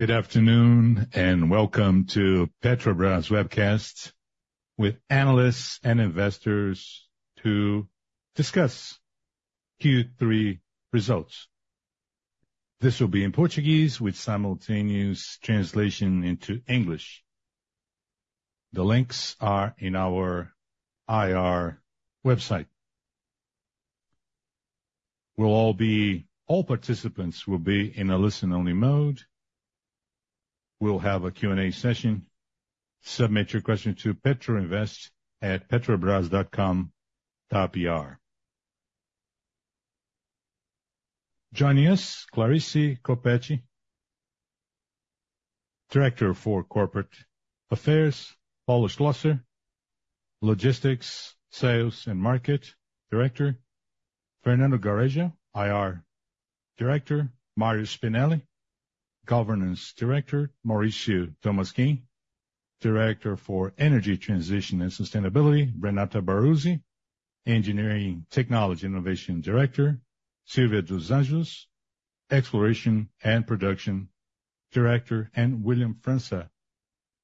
Good afternoon and welcome to Petrobras Webcasts with analysts and investors to discuss Q3 results. This will be in Portuguese with simultaneous translation into English. The links are in our IR website. All participants will be in a listen-only mode. We'll have a Q&A session. Submit your questions to petroinvest@petrobras.com. Joining us, Clarice Coppetti, Director for Corporate Affairs, Claudio Schlosser, Logistics, Sales, and Market Director, Fernando Melgarejo, IR Director, Mario Spinelli, Governance Director, Mauricio Tolmasquim, Director for Energy Transition and Sustainability, Renata Baruzzi, Engineering Technology Innovation Director, Sylvia dos Anjos, Exploration and Production Director, and William França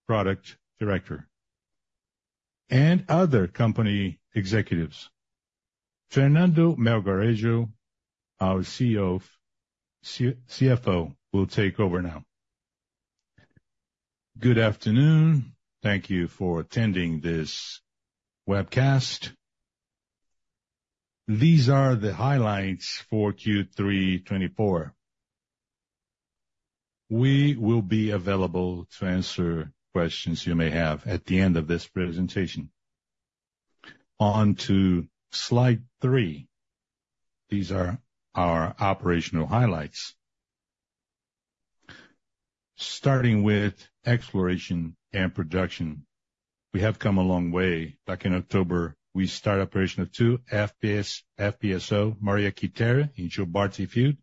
Product Director, and other company executives. Fernando Melgarejo, our CFO, will take over now. Good afternoon. Thank you for attending this webcast. These are the highlights for Q3 '24. We will be available to answer questions you may have at the end of this presentation. On to slide three. These are our operational highlights. Starting with exploration and production, we have come a long way. Back in October, we started operation of two FPSO, Maria Quiteria in Jubarte field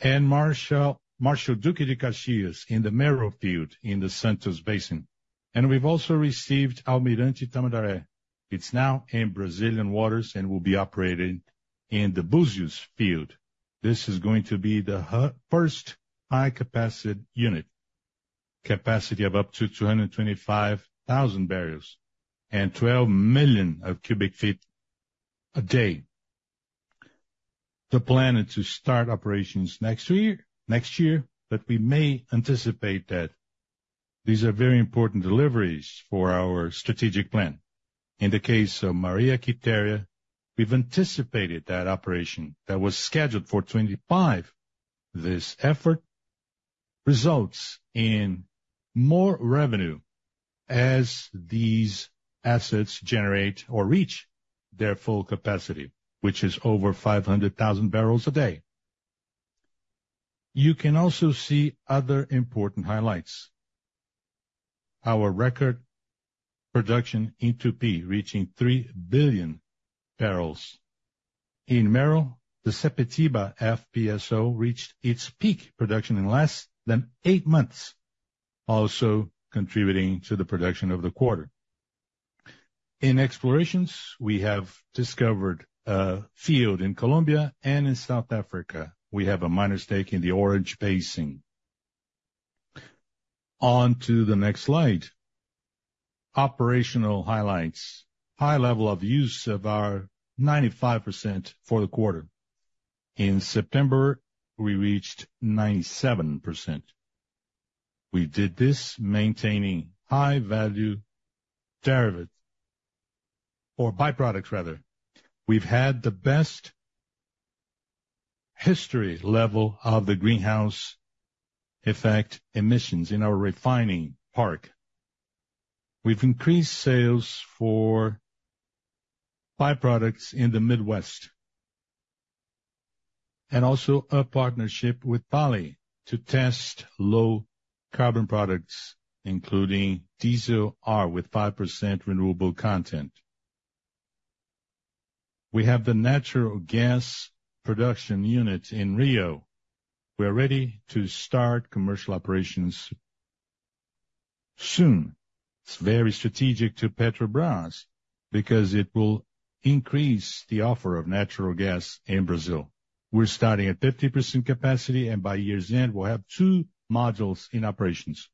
and Marechal Duque de Caxias in the Mero field in the Santos Basin, and we've also received Almirante Tamandaré. It's now in Brazilian waters and will be operated in the Búzios field. This is going to be the first high-capacity unit, capacity of up to 225,000 barrels and 12 million cubic feet a day. The plan is to start operations next year, but we may anticipate that these are very important deliveries for our strategic plan. In the case of Maria Quiteria, we've anticipated that operation that was scheduled for 2025. This effort results in more revenue as these assets generate or reach their full capacity, which is over 500,000 barrels a day. You can also see other important highlights. Our record production in 2P reaching 3 billion barrels. In Mero, the Sepetiba FPSO reached its peak production in less than eight months, also contributing to the production of the quarter. In explorations, we have discovered a field in Colombia and in South Africa. We have a minor stake in the Orange Basin. On to the next slide. Operational highlights. High level of use of our 95% for the quarter. In September, we reached 97%. We did this maintaining high-value tariffs or byproducts, rather. We've had the best history level of the greenhouse effect emissions in our refining park. We've increased sales for byproducts in the Midwest and also a partnership with Vale to test low-carbon products, including Diesel R with 5% renewable content. We have the natural gas production unit in Rio de Janeiro. We're ready to start commercial operations soon. It's very strategic to Petrobras because it will increase the offer of natural gas in Brazil. We're starting at 50% capacity, and by year's end, we'll have two modules in operations,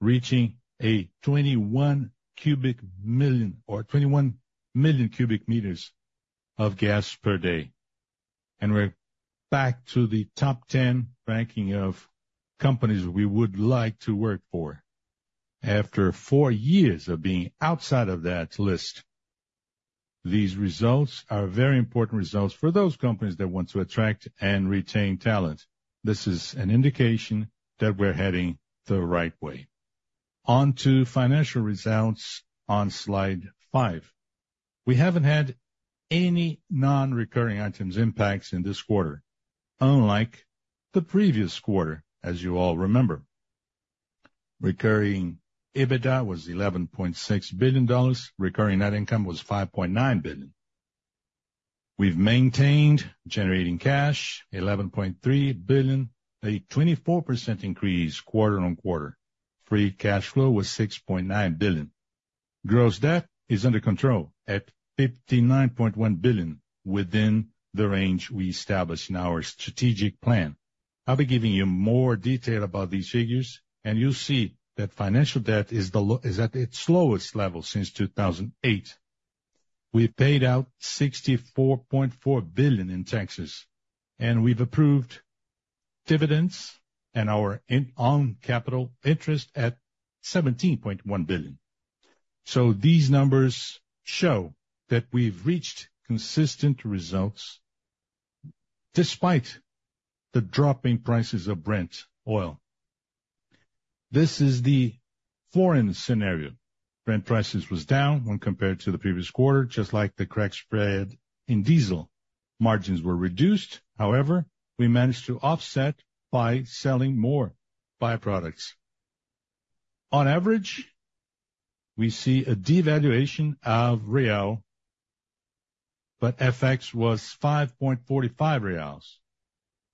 reaching a 21 cubic million or 21 million cubic meters of gas per day. And we're back to the top 10 ranking of companies we would like to work for. After four years of being outside of that list, these results are very important results for those companies that want to attract and retain talent. This is an indication that we're heading the right way. On to financial results on slide five. We haven't had any non-recurring items impacts in this quarter, unlike the previous quarter, as you all remember. Recurring EBITDA was $11.6 billion. Recurring net income was $5.9 billion. We've maintained generating cash, $11.3 billion, a 24% increase quarter on quarter. Free cash flow was $6.9 billion. Gross debt is under control at $59.1 billion, within the range we established in our strategic plan. I'll be giving you more detail about these figures, and you'll see that financial debt is at its lowest level since 2008. We paid out $64.4 billion in taxes, and we've approved dividends and our own capital interest at $17.1 billion. So these numbers show that we've reached consistent results despite the dropping prices of Brent oil. This is the foreign scenario. Brent prices were down when compared to the previous quarter, just like the crack spread in diesel. Margins were reduced. However, we managed to offset by selling more byproducts. On average, we see a devaluation of Real, but FX was 5.45 reais,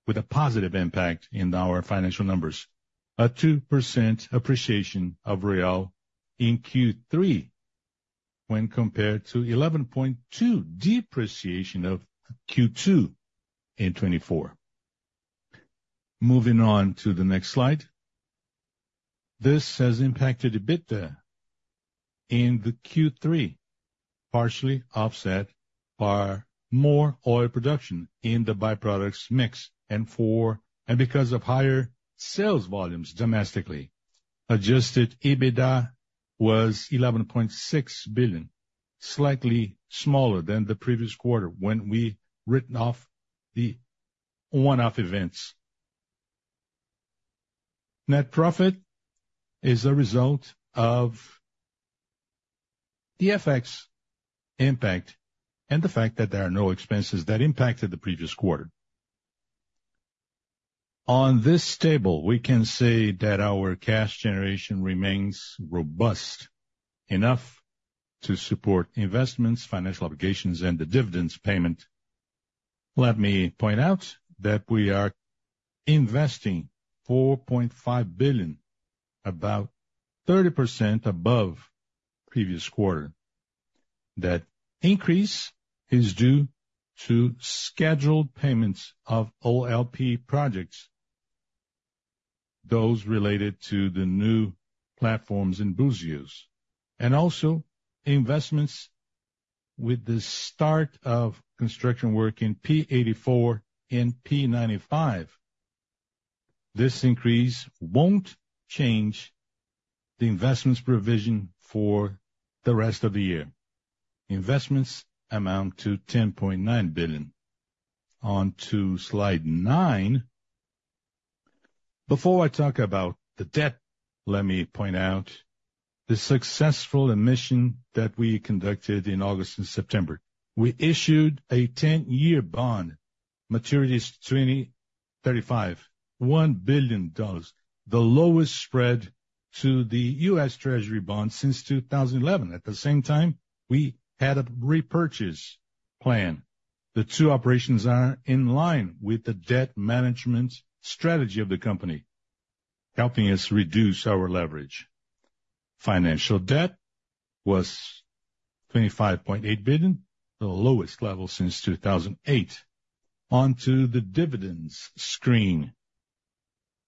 with a positive impact in our financial numbers. A 2% appreciation of Real in Q3 when compared to 11.2% depreciation of Q2 in 2024. Moving on to the next slide. This has impacted EBITDA in the Q3, partially offset by more oil production in the byproducts mix. And because of higher sales volumes domestically, adjusted EBITDA was $11.6 billion, slightly smaller than the previous quarter when we wrote off the one-off events. Net profit is a result of the FX impact and the fact that there are no expenses that impacted the previous quarter. On this table, we can say that our cash generation remains robust enough to support investments, financial obligations, and the dividends payment. Let me point out that we are investing $4.5 billion, about 30% above previous quarter. That increase is due to scheduled payments of OLP projects, those related to the new platforms in Búzios, and also investments with the start of construction work in P-84 and P-85. This increase won't change the investments provision for the rest of the year. Investments amount to $10.9 billion. On to slide nine. Before I talk about the debt, let me point out the successful emission that we conducted in August and September. We issued a 10-year bond, maturity is 2035, $1 billion, the lowest spread to the US Treasury bond since 2011. At the same time, we had a repurchase plan. The two operations are in line with the debt management strategy of the company, helping us reduce our leverage. Financial debt was $25.8 billion, the lowest level since 2008. On to the dividends screen.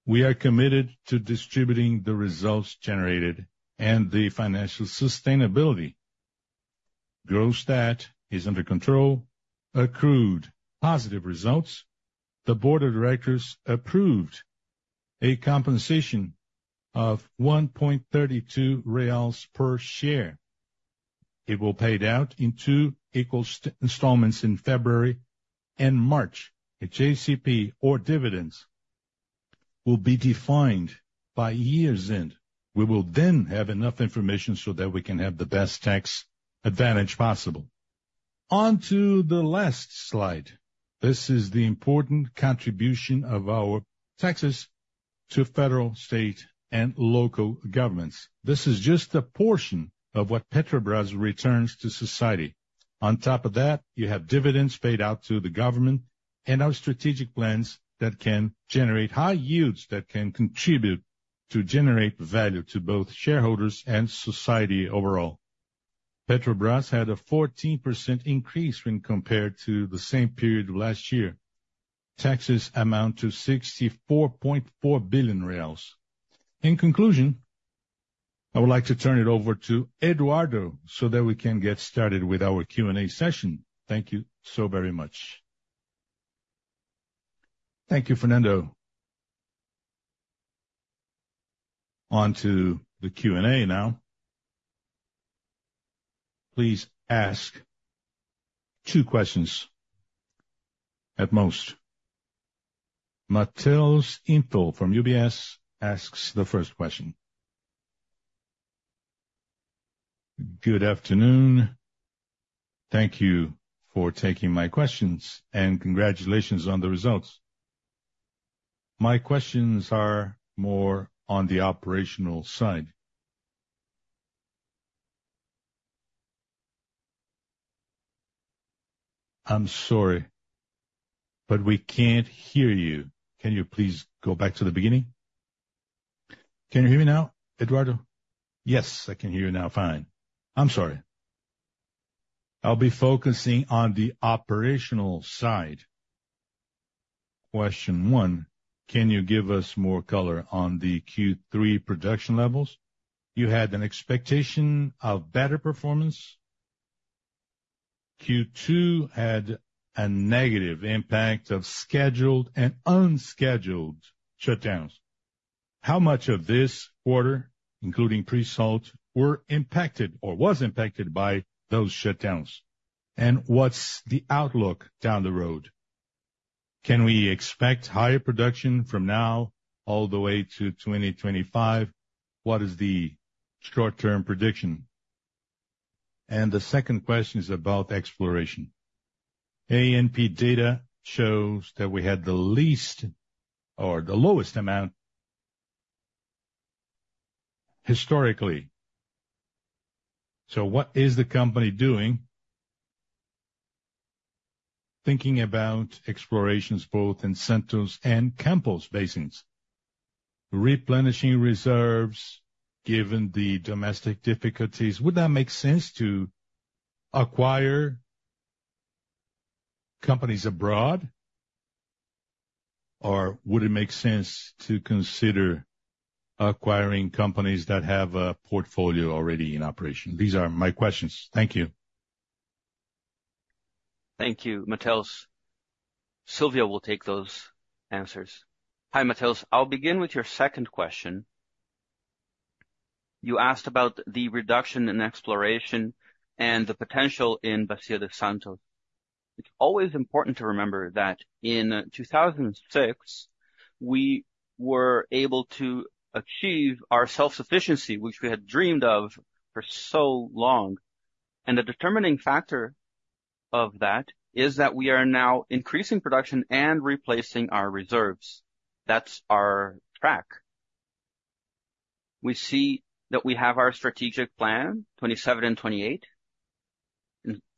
We are committed to distributing the results generated and the financial sustainability. Gross debt is under control, accrued positive results. The board of directors approved a compensation of 1.32 reais per share. It will be paid out in two equal installments in February and March. The JCP, or dividends, will be defined by year's end. We will then have enough information so that we can have the best tax advantage possible. On to the last slide. This is the important contribution of our taxes to federal, state, and local governments. This is just a portion of what Petrobras returns to society. On top of that, you have dividends paid out to the government and our strategic plans that can generate high yields that can contribute to generate value to both shareholders and society overall. Petrobras had a 14% increase when compared to the same period last year. Taxes amount to $64.4 billion. In conclusion, I would like to turn it over to Eduardo so that we can get started with our Q&A session. Thank you so very much. Thank you, Fernando. On to the Q&A now. Please ask two questions at most. Matheus Enfeldt from UBS asks the first question. Good afternoon. Thank you for taking my questions and congratulations on the results. My questions are more on the operational side. I'm sorry, but we can't hear you. Can you please go back to the beginning? Can you hear me now, Eduardo? Yes, I can hear you now fine. I'm sorry. I'll be focusing on the operational side. Question one, can you give us more color on the Q3 production levels? You had an expectation of better performance. Q2 had a negative impact of scheduled and unscheduled shutdowns. How much of this quarter, including pre-salt, were impacted or was impacted by those shutdowns? And what's the outlook down the road? Can we expect higher production from now all the way to 2025? What is the short-term prediction? And the second question is about exploration. ANP data shows that we had the least or the lowest amount historically. So what is the company doing? Thinking about explorations both in Santos Basin and Campos Basin, replenishing reserves given the domestic difficulties. Would that make sense to acquire companies abroad, or would it make sense to consider acquiring companies that have a portfolio already in operation? These are my questions. Thank you. Thank you, Matheus. Silvia will take those answers. Hi, Matheus. I'll begin with your second question. You asked about the reduction in exploration and the potential in Santos Basin. It's always important to remember that in 2006, we were able to achieve our self-sufficiency, which we had dreamed of for so long. The determining factor of that is that we are now increasing production and replacing our reserves. That's our track. We see that we have our strategic plan, 2027 and 2028,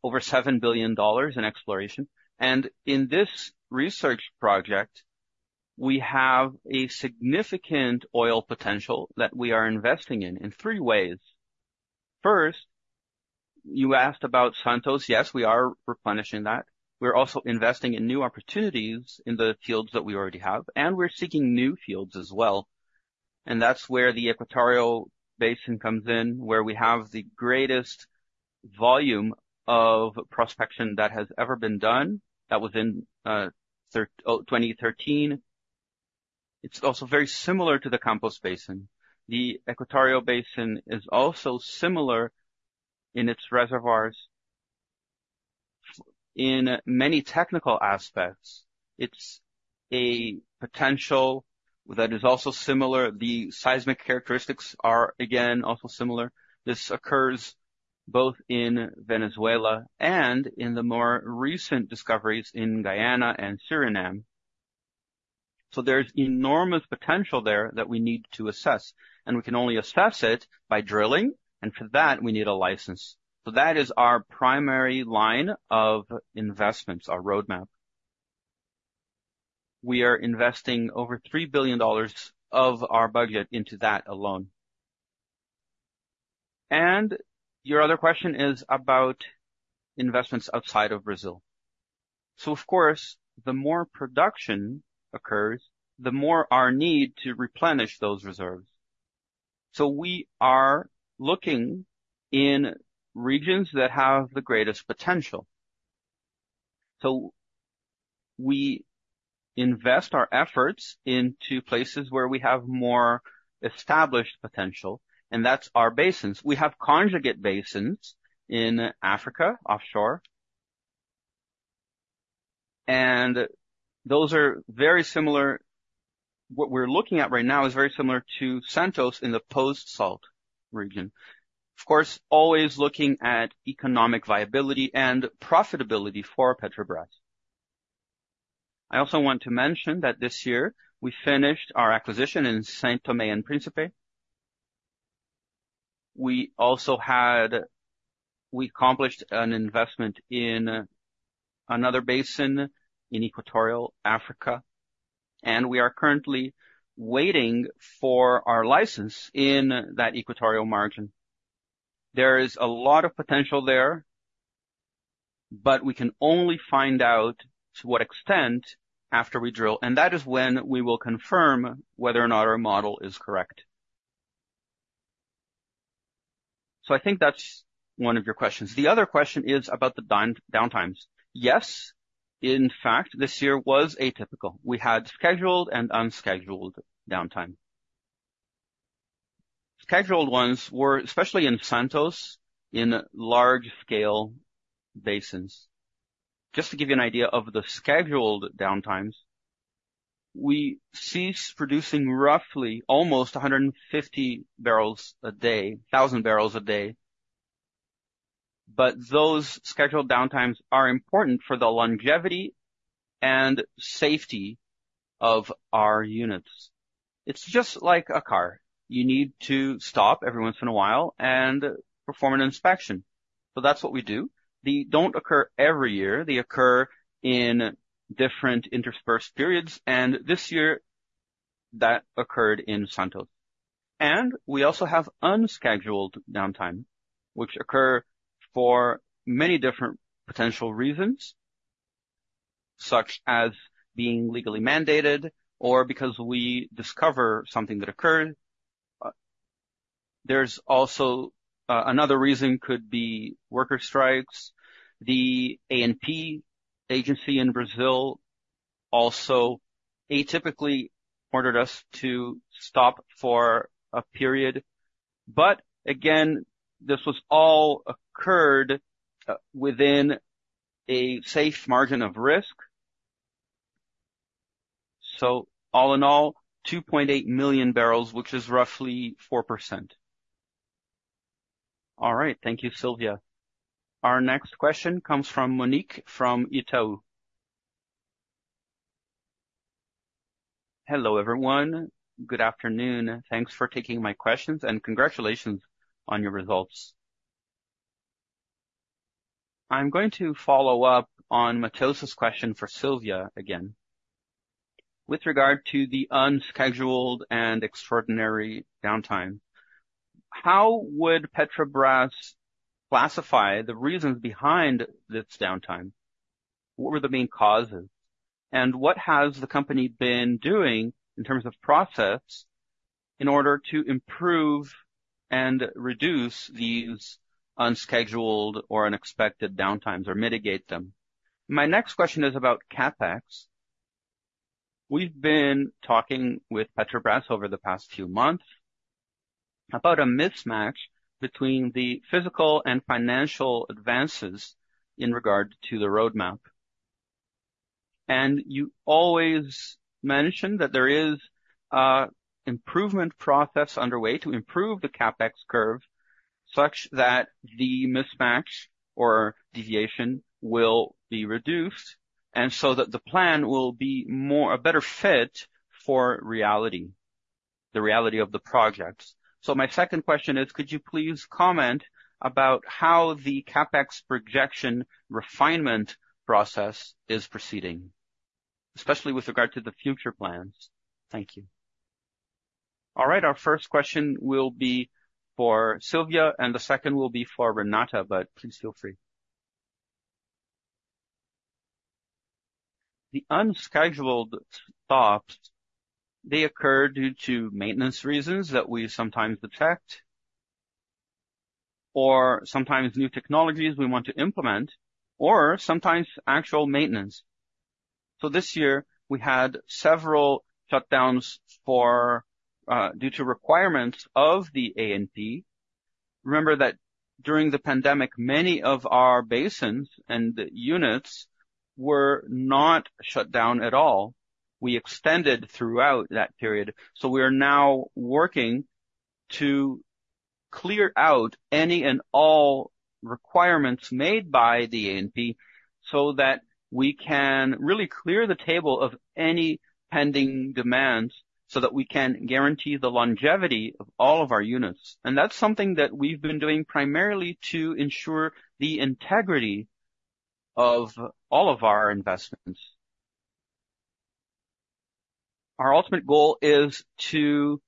over $7 billion in exploration, and in this research project, we have a significant oil potential that we are investing in, in three ways. First, you asked about Santos. Yes, we are replenishing that. We're also investing in new opportunities in the fields that we already have, and we're seeking new fields as well, and that's where the Equatorial Basin comes in, where we have the greatest volume of prospection that has ever been done, that was in 2013. It's also very similar to the Campos Basin. The Equatorial Basin is also similar in its reservoirs. In many technical aspects, it's a potential that is also similar. The seismic characteristics are, again, also similar. This occurs both in Venezuela and in the more recent discoveries in Guyana and Suriname. So there's enormous potential there that we need to assess, and we can only assess it by drilling, and for that, we need a license, so that is our primary line of investments, our roadmap. We are investing over $3 billion of our budget into that alone, and your other question is about investments outside of Brazil. So, of course, the more production occurs, the more our need to replenish those reserves, so we are looking in regions that have the greatest potential, so we invest our efforts into places where we have more established potential, and that's our basins. We have conjugate basins in Africa, offshore, and those are very similar. What we're looking at right now is very similar to Santos in the post-salt region. Of course, always looking at economic viability and profitability for Petrobras. I also want to mention that this year we finished our acquisition in São Tomé and Príncipe. We also had, we accomplished an investment in another basin in Equatorial Africa, and we are currently waiting for our license in that Equatorial Margin. There is a lot of potential there, but we can only find out to what extent after we drill, and that is when we will confirm whether or not our model is correct. So I think that's one of your questions. The other question is about the downtimes. Yes, in fact, this year was atypical. We had scheduled and unscheduled downtime. Scheduled ones were especially in Santos, in large-scale basins. Just to give you an idea of the scheduled downtimes, we ceased producing roughly almost 150 barrels a day, 1,000 barrels a day. But those scheduled downtimes are important for the longevity and safety of our units. It's just like a car. You need to stop every once in a while and perform an inspection. So that's what we do. They don't occur every year. They occur in different interspersed periods, and this year that occurred in Santos. And we also have unscheduled downtime, which occur for many different potential reasons, such as being legally mandated or because we discover something that occurred. There's also another reason could be worker strikes. The ANP agency in Brazil also atypically ordered us to stop for a period. But again, this was all occurred within a safe margin of risk. So all in all, 2.8 million barrels, which is roughly 4%. All right, thank you, Sylvia. Our next question comes from Monique from Itaú. Hello, everyone. Good afternoon. Thanks for taking my questions and congratulations on your results. I'm going to follow up on Matteo's question for Sylvia again. With regard to the unscheduled and extraordinary downtime, how would Petrobras classify the reasons behind this downtime? What were the main causes? And what has the company been doing in terms of process in order to improve and reduce these unscheduled or unexpected downtimes or mitigate them? My next question is about CapEx. We've been talking with Petrobras over the past few months about a mismatch between the physical and financial advances in regard to the roadmap. And you always mention that there is an improvement process underway to improve the CapEx curve such that the mismatch or deviation will be reduced and so that the plan will be a better fit for reality, the reality of the projects. So my second question is, could you please comment about how the CapEx projection refinement process is proceeding, especially with regard to the future plans? Thank you. All right, our first question will be for Sylvia, and the second will be for Renata, but please feel free. The unscheduled stops, they occur due to maintenance reasons that we sometimes detect, or sometimes new technologies we want to implement, or sometimes actual maintenance. This year, we had several shutdowns due to requirements of the ANP. Remember that during the pandemic, many of our basins and units were not shut down at all. We extended throughout that period. We are now working to clear out any and all requirements made by the ANP so that we can really clear the table of any pending demands so that we can guarantee the longevity of all of our units. That's something that we've been doing primarily to ensure the integrity of all of our investments. Our ultimate goal is to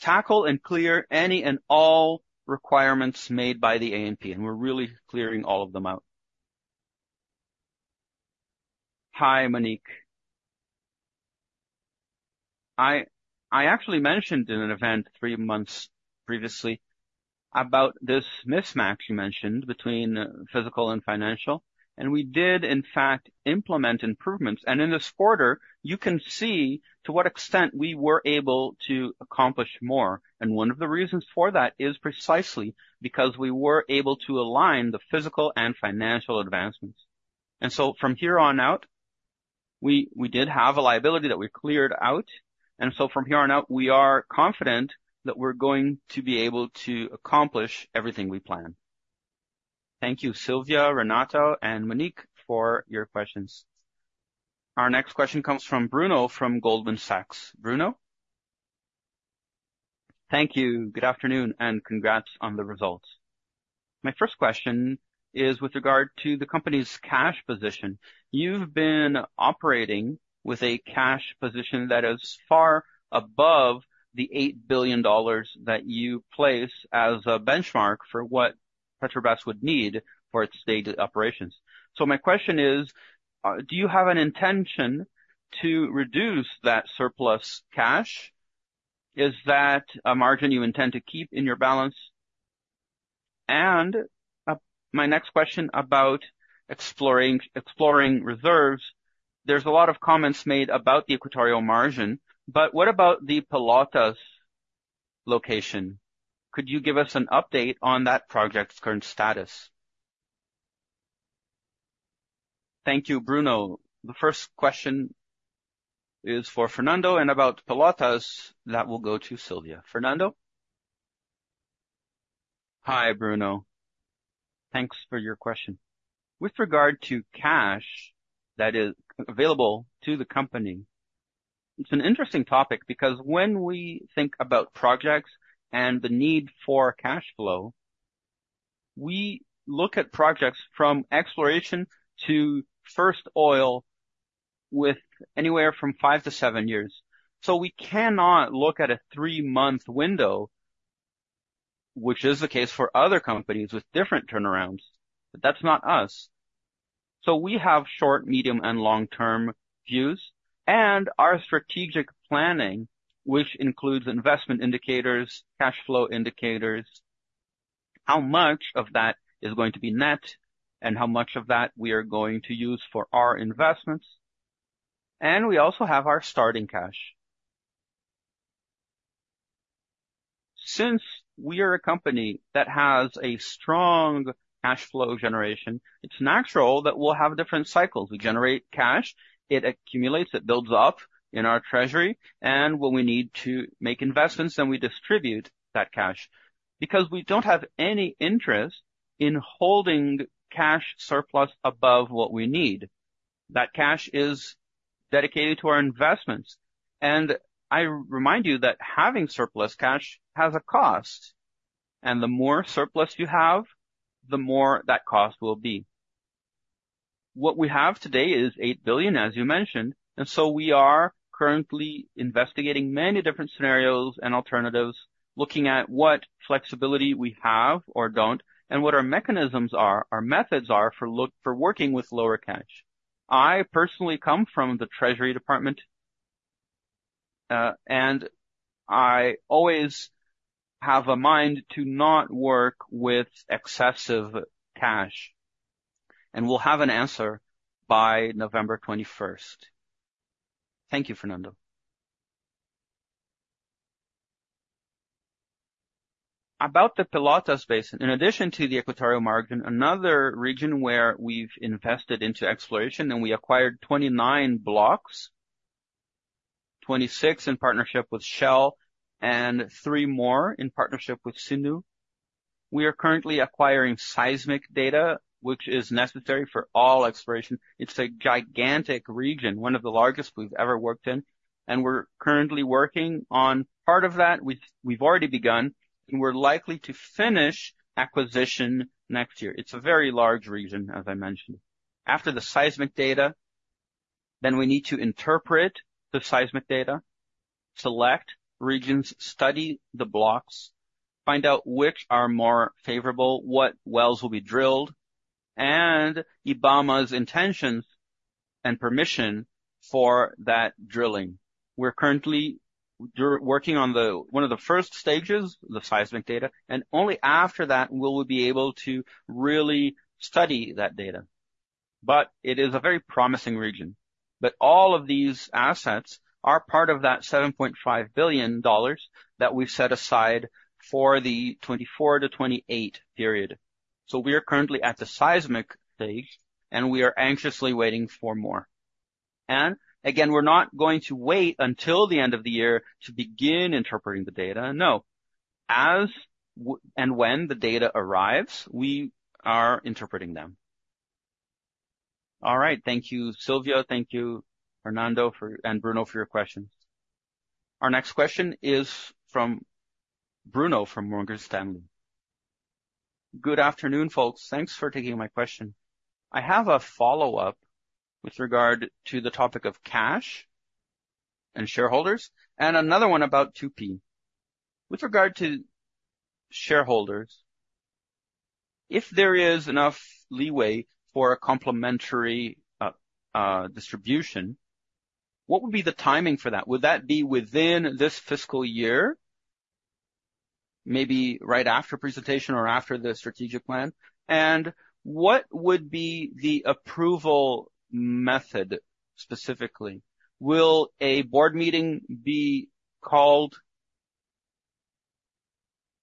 tackle and clear any and all requirements made by the ANP, and we're really clearing all of them out. Hi, Monique. I actually mentioned in an event three months previously about this mismatch you mentioned between physical and financial, and we did, in fact, implement improvements, and in this quarter, you can see to what extent we were able to accomplish more, and one of the reasons for that is precisely because we were able to align the physical and financial advancements, and so from here on out, we did have a liability that we cleared out, and so from here on out, we are confident that we're going to be able to accomplish everything we planned. Thank you, Sylvia, Renata, and Monique for your questions. Our next question comes from Bruno from Goldman Sachs. Bruno? Thank you. Good afternoon and congrats on the results. My first question is with regard to the company's cash position. You've been operating with a cash position that is far above the $8 billion that you place as a benchmark for what Petrobras would need for its day-to-day operations. So my question is, do you have an intention to reduce that surplus cash? Is that a margin you intend to keep in your balance? And my next question about exploring reserves, there's a lot of comments made about the Equatorial Margin, but what about the Pelotas location? Could you give us an update on that project's current status? Thank you, Bruno. The first question is for Fernando, and about Pelotas, that will go to Sylvia. Fernando? Hi, Bruno. Thanks for your question. With regard to cash that is available to the company, it's an interesting topic because when we think about projects and the need for cash flow, we look at projects from exploration to first oil with anywhere from five to seven years, so we cannot look at a three-month window, which is the case for other companies with different turnarounds, but that's not us, so we have short, medium, and long-term views, and our strategic planning, which includes investment indicators, cash flow indicators, how much of that is going to be net and how much of that we are going to use for our investments, and we also have our starting cash. Since we are a company that has a strong cash flow generation, it's natural that we'll have different cycles. We generate cash, it accumulates, it builds up in our treasury, and when we need to make investments, then we distribute that cash because we don't have any interest in holding cash surplus above what we need. That cash is dedicated to our investments, and I remind you that having surplus cash has a cost, and the more surplus you have, the more that cost will be. What we have today is $8 billion, as you mentioned, and so we are currently investigating many different scenarios and alternatives, looking at what flexibility we have or don't, and what our mechanisms are, our methods are for working with lower cash. I personally come from the Treasury Department, and I always have a mind to not work with excessive cash, and we'll have an answer by November 21st. Thank you, Fernando. About the Pelotas Basin, in addition to the Equatorial Margin, another region where we've invested into exploration, and we acquired 29 blocks, 26 in partnership with Shell, and three more in partnership with CNOOC. We are currently acquiring seismic data, which is necessary for all exploration. It's a gigantic region, one of the largest we've ever worked in, and we're currently working on part of that. We've already begun, and we're likely to finish acquisition next year. It's a very large region, as I mentioned. After the seismic data, then we need to interpret the seismic data, select regions, study the blocks, find out which are more favorable, what wells will be drilled, and IBAMA's intentions and permission for that drilling. We're currently working on one of the first stages, the seismic data, and only after that will we be able to really study that data. But it is a very promising region. But all of these assets are part of that $7.5 billion that we've set aside for the 2024-2028 period. So we are currently at the seismic stage, and we are anxiously waiting for more. And again, we're not going to wait until the end of the year to begin interpreting the data. No. As and when the data arrives, we are interpreting them. All right, thank you, Sylvia. Thank you, Fernando and Bruno, for your questions. Our next question is from Bruno from Morgan Stanley. Good afternoon, folks. Thanks for taking my question. I have a follow-up with regard to the topic of cash and shareholders and another one about 2P. With regard to shareholders, if there is enough leeway for a complementary distribution, what would be the timing for that? Would that be within this fiscal year, maybe right after presentation or after the strategic plan? And what would be the approval method specifically? Will a board meeting be called,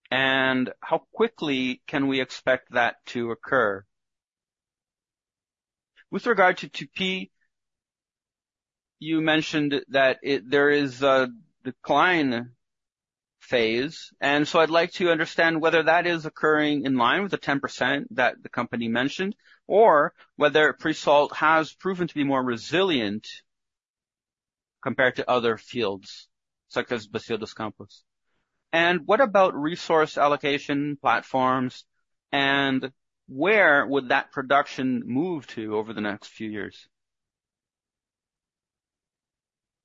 and how quickly can we expect that to occur? With regard to 2P, you mentioned that there is a decline phase, and so I'd like to understand whether that is occurring in line with the 10% that the company mentioned or whether pre-salt has proven to be more resilient compared to other fields such as Campos Basin. And what about resource allocation platforms, and where would that production move to over the next few years?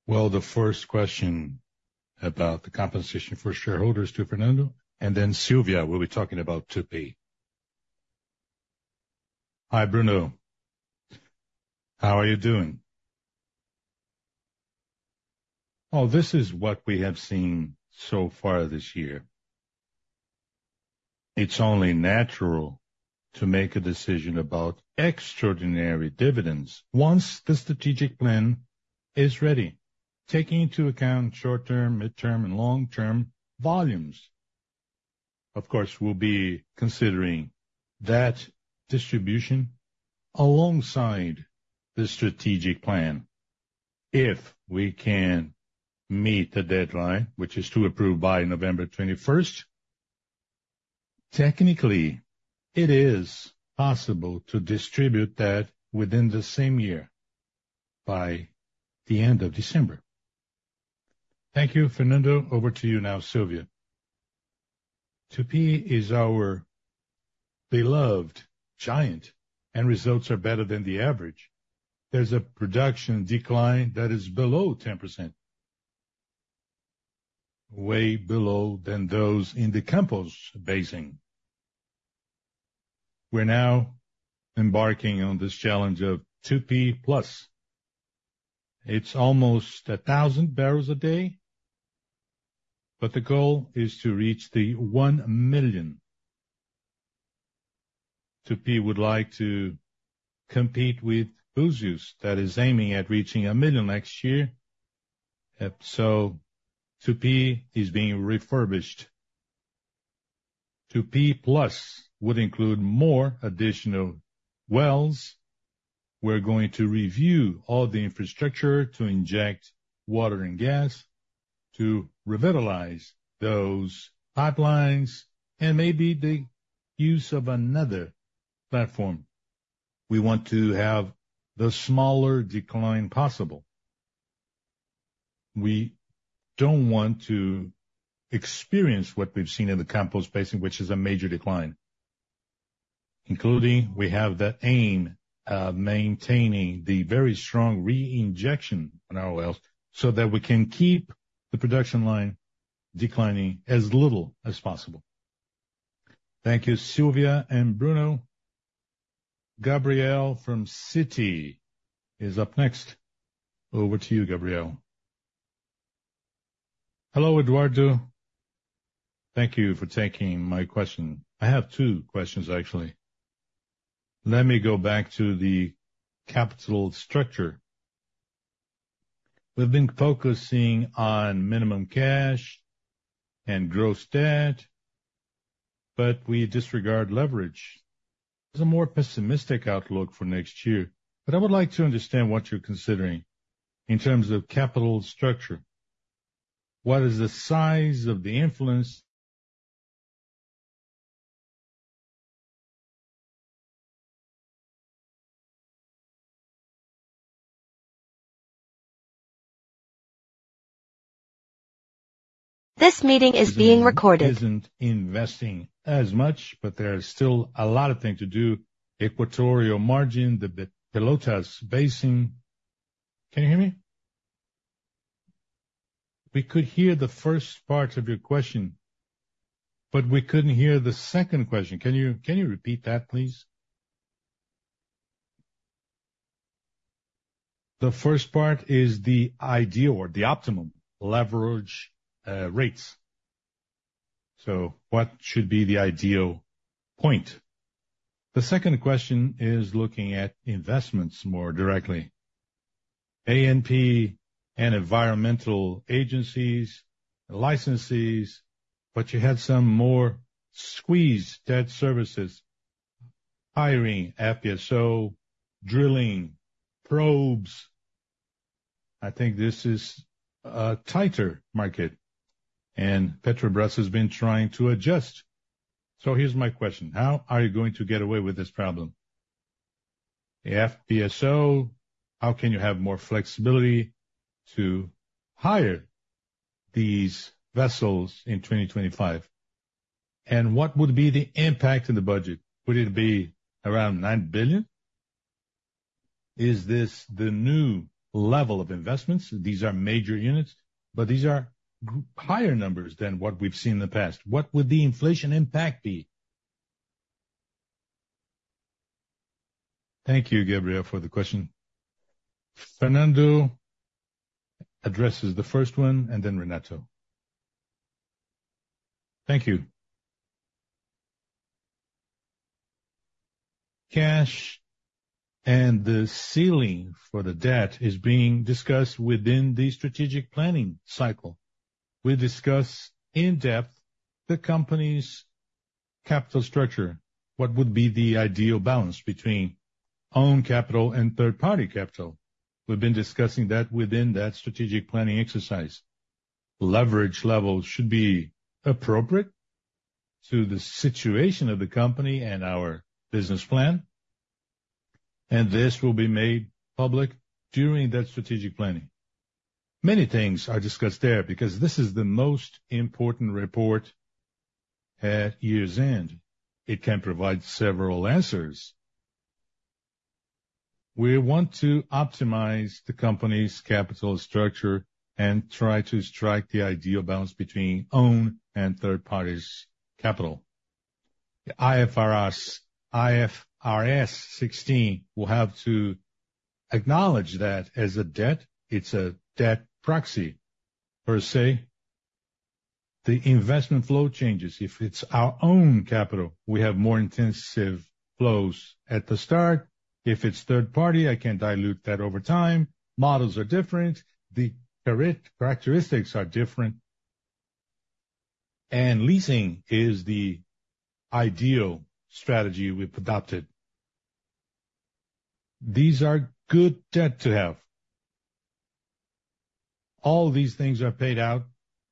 The first question about the compensation for shareholders to Fernando, and then Sylvia will be talking about 2P. Hi, Bruno. How are you doing? Oh, this is what we have seen so far this year. It's only natural to make a decision about extraordinary dividends once the strategic plan is ready, taking into account short-term, midterm, and long-term volumes. Of course, we'll be considering that distribution alongside the strategic plan if we can meet the deadline, which is to approve by November 21st. Technically, it is possible to distribute that within the same year by the end of December. Thank you, Fernando. Over to you now, Sylvia. 2P is our beloved giant, and results are better than the average. There's a production decline that is below 10%, way below than those in the Campos Basin. We're now embarking on this challenge of 2P Plus. It's almost 1,000 barrels a day, but the goal is to reach the 1 million. 2P would like to compete with Búzios, that is aiming at reaching a million next year. So 2P is being refurbished. 2P Plus would include more additional wells. We're going to review all the infrastructure to inject water and gas to revitalize those pipelines and maybe the use of another platform. We want to have the smaller decline possible. We don't want to experience what we've seen in the Campos Basin, which is a major decline, including we have the aim of maintaining the very strong reinjection on our wells so that we can keep the production line declining as little as possible. Thank you, Sylvia and Bruno. Gabriel from Citi is up next. Over to you, Gabriel. Hello, Eduardo. Thank you for taking my question. I have two questions, actually. Let me go back to the capital structure. We've been focusing on minimum cash and gross debt, but we disregard leverage. It's a more pessimistic outlook for next year, but I would like to understand what you're considering in terms of capital structure. What is the size of the influence? This meeting is being recorded. Isn't investing as much, but there's still a lot of things to do: Equatorial Margin, the Pelotas Basin. Can you hear me? We could hear the first part of your question, but we couldn't hear the second question. Can you repeat that, please? The first part is the ideal or the optimum leverage rates. So what should be the ideal point? The second question is looking at investments more directly: ANP and environmental agencies, licenses, but you had some more squeezed debt services, hiring FPSO, drilling, probes. I think this is a tighter market, and Petrobras has been trying to adjust. So here's my question: how are you going to get away with this problem? FPSO, how can you have more flexibility to hire these vessels in 2025? And what would be the impact in the budget? Would it be around $9 billion? Is this the new level of investments? These are major units, but these are higher numbers than what we've seen in the past. What would the inflation impact be? Thank you, Gabriel, for the question. Fernando addresses the first one and then Renata. Thank you. Cash and the ceiling for the debt is being discussed within the strategic planning cycle. We discuss in depth the company's capital structure. What would be the ideal balance between own capital and third-party capital? We've been discussing that within that strategic planning exercise. Leverage levels should be appropriate to the situation of the company and our business plan, and this will be made public during that strategic planning. Many things are discussed there because this is the most important report at year's end. It can provide several answers. We want to optimize the company's capital structure and try to strike the ideal balance between own and third-party capital. The IFRS 16 will have to acknowledge that as a debt. It's a debt proxy, per se. The investment flow changes. If it's our own capital, we have more intensive flows at the start. If it's third-party, I can dilute that over time. Models are different. The characteristics are different, and leasing is the ideal strategy we've adopted. These are good debt to have. All these things are paid out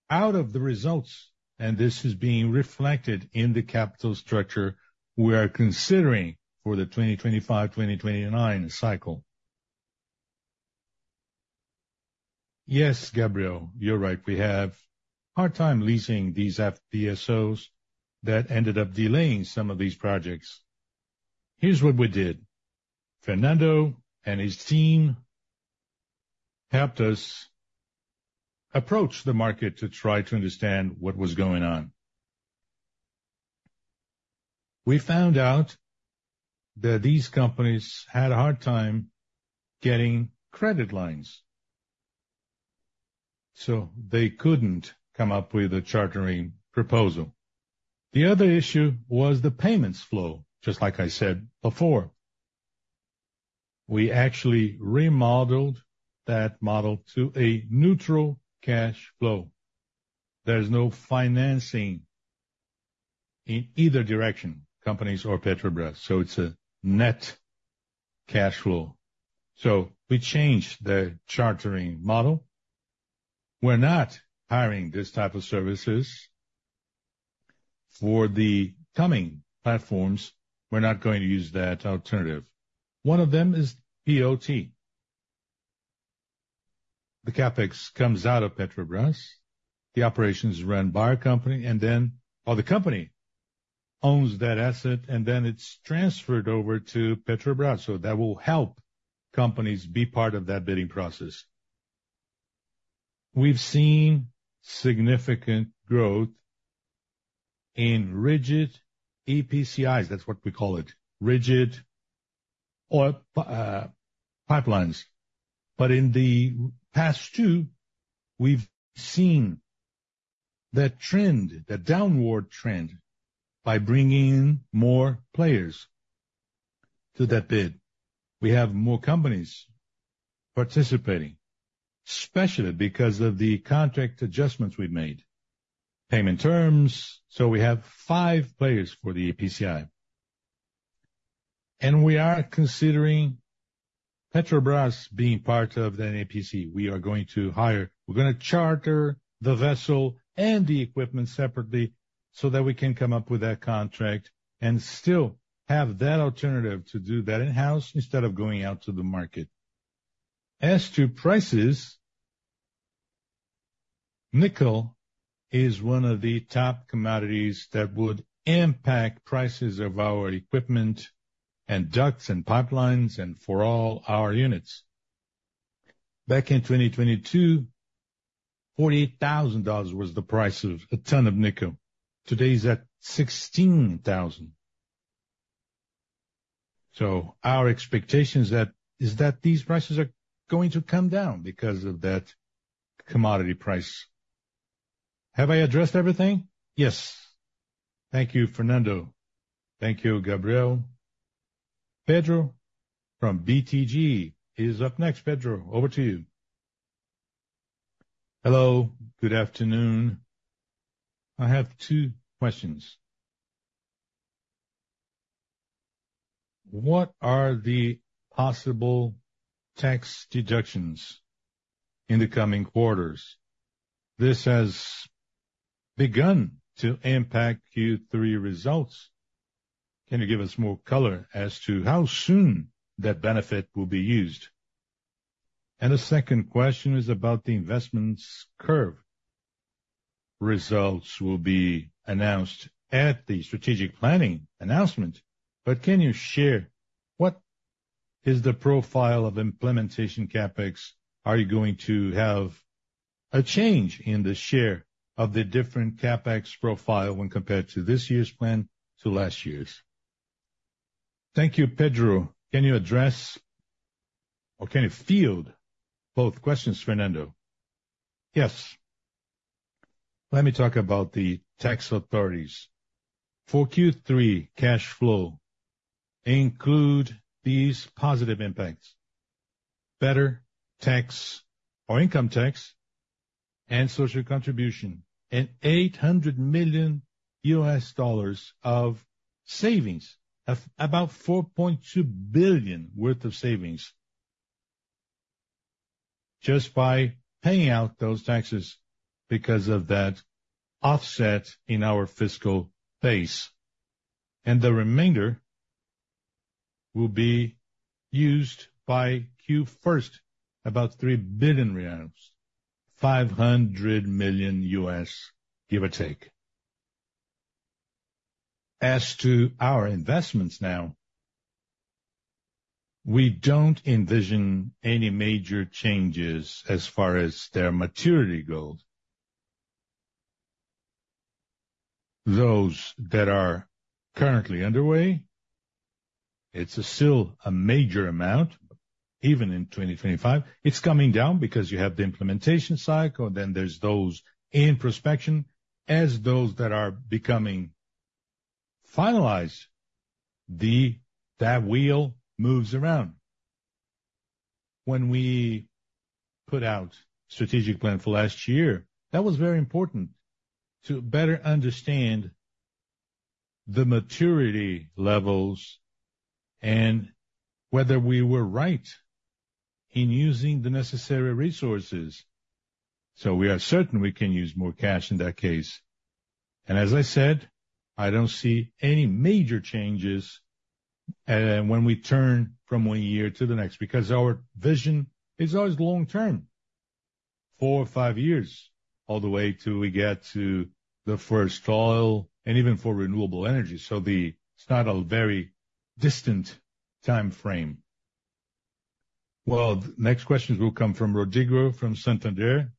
of the results, and this is being reflected in the capital structure we are considering for the 2025-2029 cycle. Yes, Gabriel, you're right. We have a hard time leasing these FPSOs that ended up delaying some of these projects. Here's what we did. Fernando and his team helped us approach the market to try to understand what was going on. We found out that these companies had a hard time getting credit lines, so they couldn't come up with a chartering proposal. The other issue was the payments flow, just like I said before. We actually remodeled that model to a neutral cash flow. There's no financing in either direction, companies or Petrobras, so it's a net cash flow. So we changed the chartering model. We're not hiring this type of services for the coming platforms. We're not going to use that alternative. One of them is POT. The CapEx comes out of Petrobras. The operations run by our company, and then the company owns that asset, and then it's transferred over to Petrobras. So that will help companies be part of that bidding process. We've seen significant growth in rigid EPCIs. That's what we call it, rigid pipelines. But in the past two, we've seen that trend, that downward trend, by bringing more players to that bid. We have more companies participating, especially because of the contract adjustments we've made, payment terms. So we have five players for the EPCI. And we are considering Petrobras being part of that EPC. We are going to hire. We're going to charter the vessel and the equipment separately so that we can come up with that contract and still have that alternative to do that in-house instead of going out to the market. As to prices, nickel is one of the top commodities that would impact prices of our equipment and ducts and pipelines and for all our units. Back in 2022, $48,000 was the price of a ton of nickel. Today's at $16,000. So, our expectation is that these prices are going to come down because of that commodity price. Have I addressed everything? Yes. Thank you, Fernando. Thank you, Gabriel. Pedro from BTG is up next. Pedro, over to you. Hello. Good afternoon. I have two questions. What are the possible tax deductions in the coming quarters? This has begun to impact Q3 results. Can you give us more color as to how soon that benefit will be used? And the second question is about the investments curve. Results will be announced at the strategic planning announcement, but can you share what is the profile of implementation CapEx? Are you going to have a change in the share of the different CapEx profile when compared to this year's plan to last year's? Thank you, Pedro. Can you address or can you field both questions, Fernando? Yes. Let me talk about the tax authorities. For Q3 cash flow, include these positive impacts: better tax or income tax and social contribution, and $800 million of savings, about $4.2 billion worth of savings just by paying out those taxes because of that offset in our fiscal base. And the remainder will be used by Q1, about $3 billion, $500 million, give or take. As to our investments now, we don't envision any major changes as far as their maturity goes. Those that are currently underway, it's still a major amount, even in 2025. It's coming down because you have the implementation cycle. Then there's those in prospection. As those that are becoming finalized, that wheel moves around. When we put out the strategic plan for last year, that was very important to better understand the maturity levels and whether we were right in using the necessary resources. So we are certain we can use more cash in that case. And as I said, I don't see any major changes when we turn from one year to the next because our vision is always long-term, four or five years, all the way till we get to the first oil and even for renewable energy. So it's not a very distant time frame. The next questions will come from Rodrigo from Santander.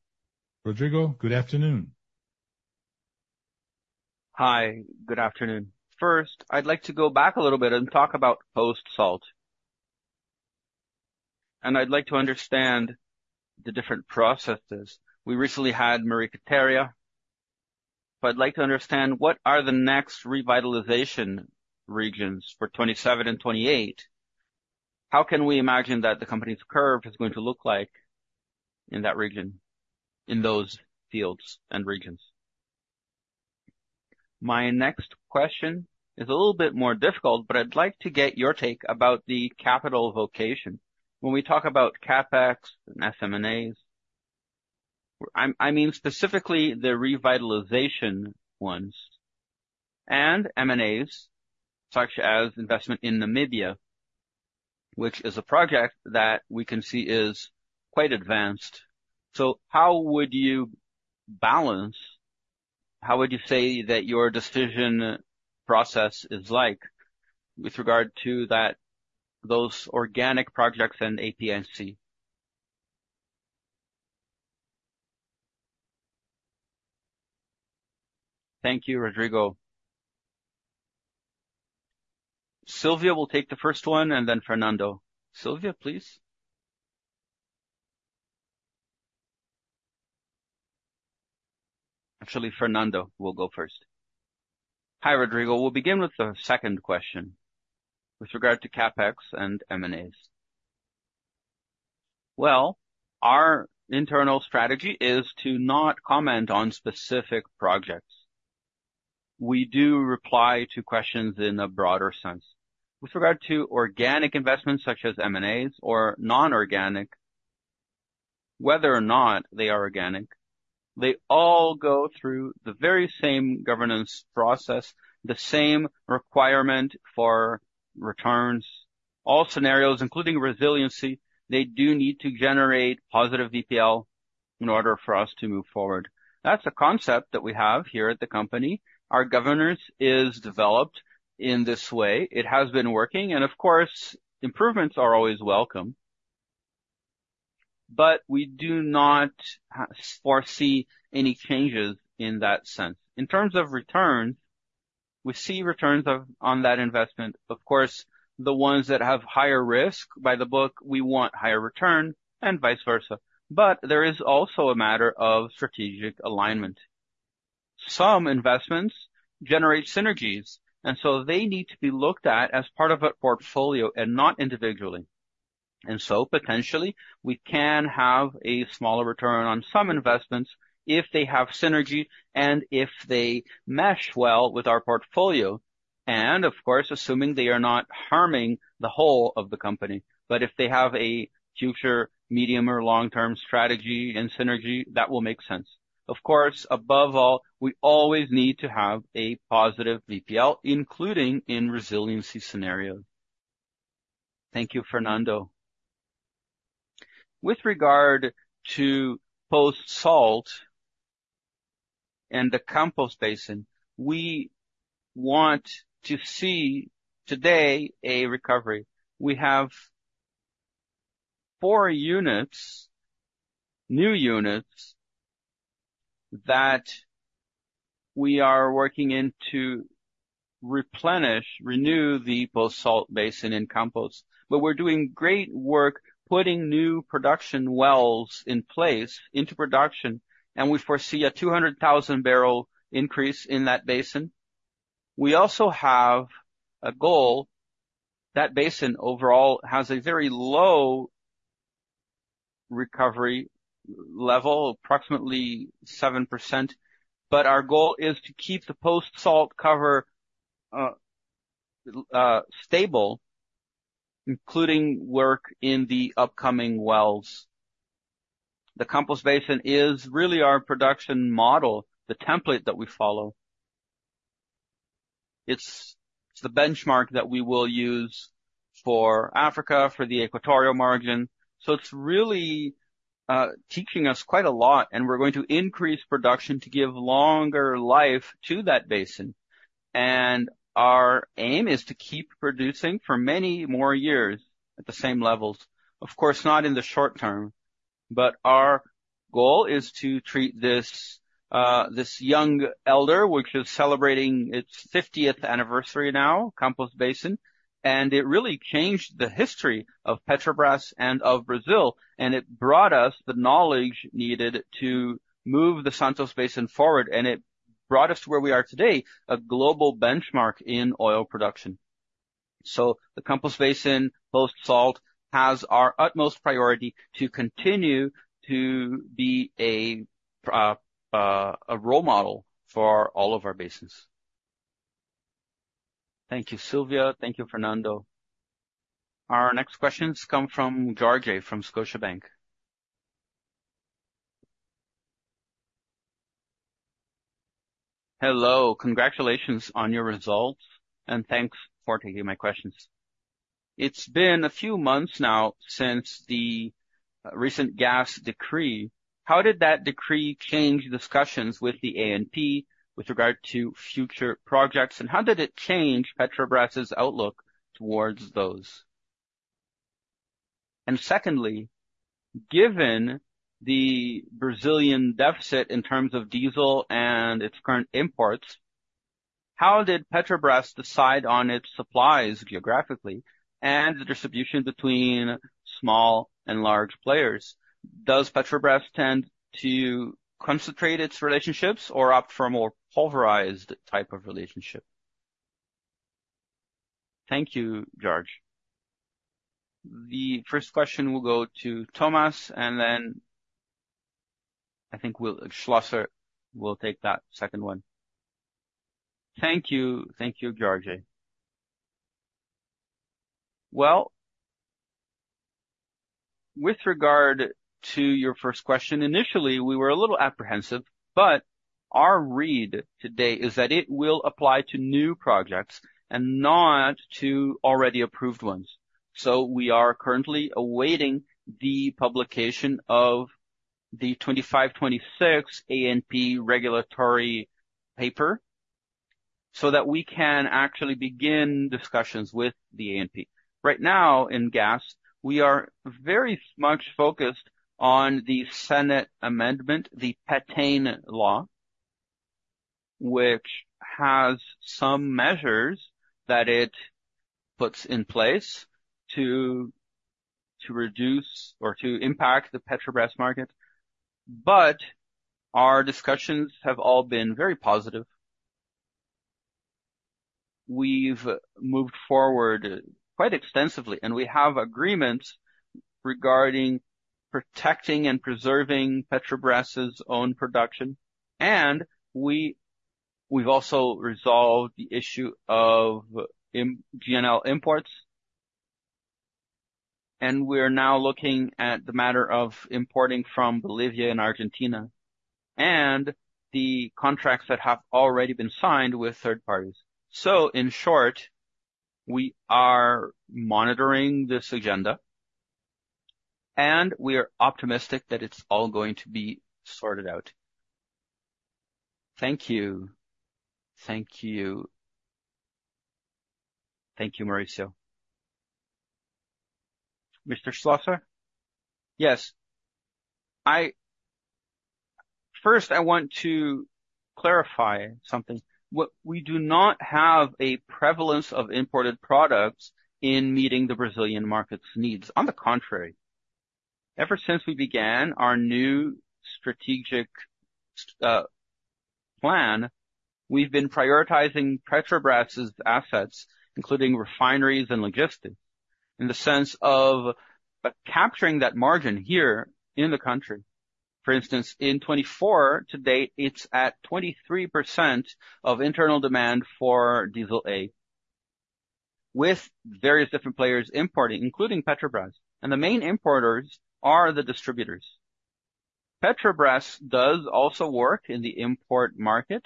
Rodrigo, good afternoon. Hi. Good afternoon. First, I'd like to go back a little bit and talk about post-salt, and I'd like to understand the different processes. We recently had Maria Quiteria, but I'd like to understand what are the next revitalization regions for 2027 and 2028? How can we imagine that the company's curve is going to look like in that region, in those fields and regions? My next question is a little bit more difficult, but I'd like to get your take about the capital allocation. When we talk about CapEx and M&NAs, I mean specifically the revitalization ones and M&As, such as investment in Namibia, which is a project that we can see is quite advanced. So how would you balance? How would you say that your decision process is like with regard to those organic projects and inorganic? Thank you, Rodrigo. Sylvia will take the first one, and then Fernando. Sylvia, please. Actually, Fernando will go first. Hi, Rodrigo. We'll begin with the second question with regard to CapEx and M&As. Our internal strategy is to not comment on specific projects. We do reply to questions in a broader sense. With regard to organic investments such as M&As or non-organic, whether or not they are organic, they all go through the very same governance process, the same requirement for returns. All scenarios, including resiliency, they do need to generate positive VPL in order for us to move forward. That's a concept that we have here at the company. Our governance is developed in this way. It has been working, and of course, improvements are always welcome. But we do not foresee any changes in that sense. In terms of returns, we see returns on that investment. Of course, the ones that have higher risk, by the book, we want higher return and vice versa. But there is also a matter of strategic alignment. Some investments generate synergies, and so they need to be looked at as part of a portfolio and not individually. And so potentially, we can have a smaller return on some investments if they have synergy and if they mesh well with our portfolio. And of course, assuming they are not harming the whole of the company. But if they have a future medium or long-term strategy and synergy, that will make sense. Of course, above all, we always need to have a positive NPV, including in resiliency scenarios. Thank you, Fernando. With regard to post-salt and the Campos Basin, we want to see today a recovery. We have four units, new units that we are working on to replenish, renew the post-salt basin and Campos. But we're doing great work putting new production wells in place into production, and we foresee a 200,000 barrel increase in that basin. We also have a goal. That basin overall has a very low recovery level, approximately 7%. But our goal is to keep the post-salt cover stable, including work in the upcoming wells. The Campos Basin is really our production model, the template that we follow. It's the benchmark that we will use for Africa, for the Equatorial Margin. So it's really teaching us quite a lot, and we're going to increase production to give longer life to that basin. And our aim is to keep producing for many more years at the same levels. Of course, not in the short term, but our goal is to treat this young elder, which is celebrating its 50th anniversary now, Campos Basin. It really changed the history of Petrobras and of Brazil, and it brought us the knowledge needed to move the Santos Basin forward, and it brought us to where we are today, a global benchmark in oil production. The Campos Basin, post-salt, has our utmost priority to continue to be a role model for all of our basins. Thank you, Sylvia. Thank you, Fernando. Our next questions come from Jorge from Scotiabank. Hello. Congratulations on your results, and thanks for taking my questions. It has been a few months now since the recent gas decree. How did that decree change discussions with the ANP with regard to future projects, and how did it change Petrobras's outlook towards those? And secondly, given the Brazilian deficit in terms of diesel and its current imports, how did Petrobras decide on its supplies geographically and the distribution between small and large players? Does Petrobras tend to concentrate its relationships or opt for a more pulverized type of relationship? Thank you, Jorge. The first question will go to Thomas, and then I think Schlosser will take that second one. Thank you. Thank you, Jorge. Well, with regard to your first question, initially, we were a little apprehensive, but our read today is that it will apply to new projects and not to already approved ones. So we are currently awaiting the publication of the 2526 ANP regulatory paper so that we can actually begin discussions with the ANP. Right now in gas, we are very much focused on the Senate amendment, the PATEN law, which has some measures that it puts in place to reduce or to impact the Petrobras market. But our discussions have all been very positive. We've moved forward quite extensively, and we have agreements regarding protecting and preserving Petrobras's own production, and we've also resolved the issue of GNL imports, and we're now looking at the matter of importing from Bolivia and Argentina and the contracts that have already been signed with third parties, so in short, we are monitoring this agenda, and we are optimistic that it's all going to be sorted out. Thank you. Thank you. Thank you, Mauricio. Mr. Schlosser? Yes. First, I want to clarify something. We do not have a prevalence of imported products in meeting the Brazilian market's needs. On the contrary, ever since we began our new strategic plan, we've been prioritizing Petrobras's assets, including refineries and logistics, in the sense of capturing that margin here in the country. For instance, in 2024 to date, it's at 23% of internal demand for Diesel A, with various different players importing, including Petrobras, and the main importers are the distributors. Petrobras does also work in the import market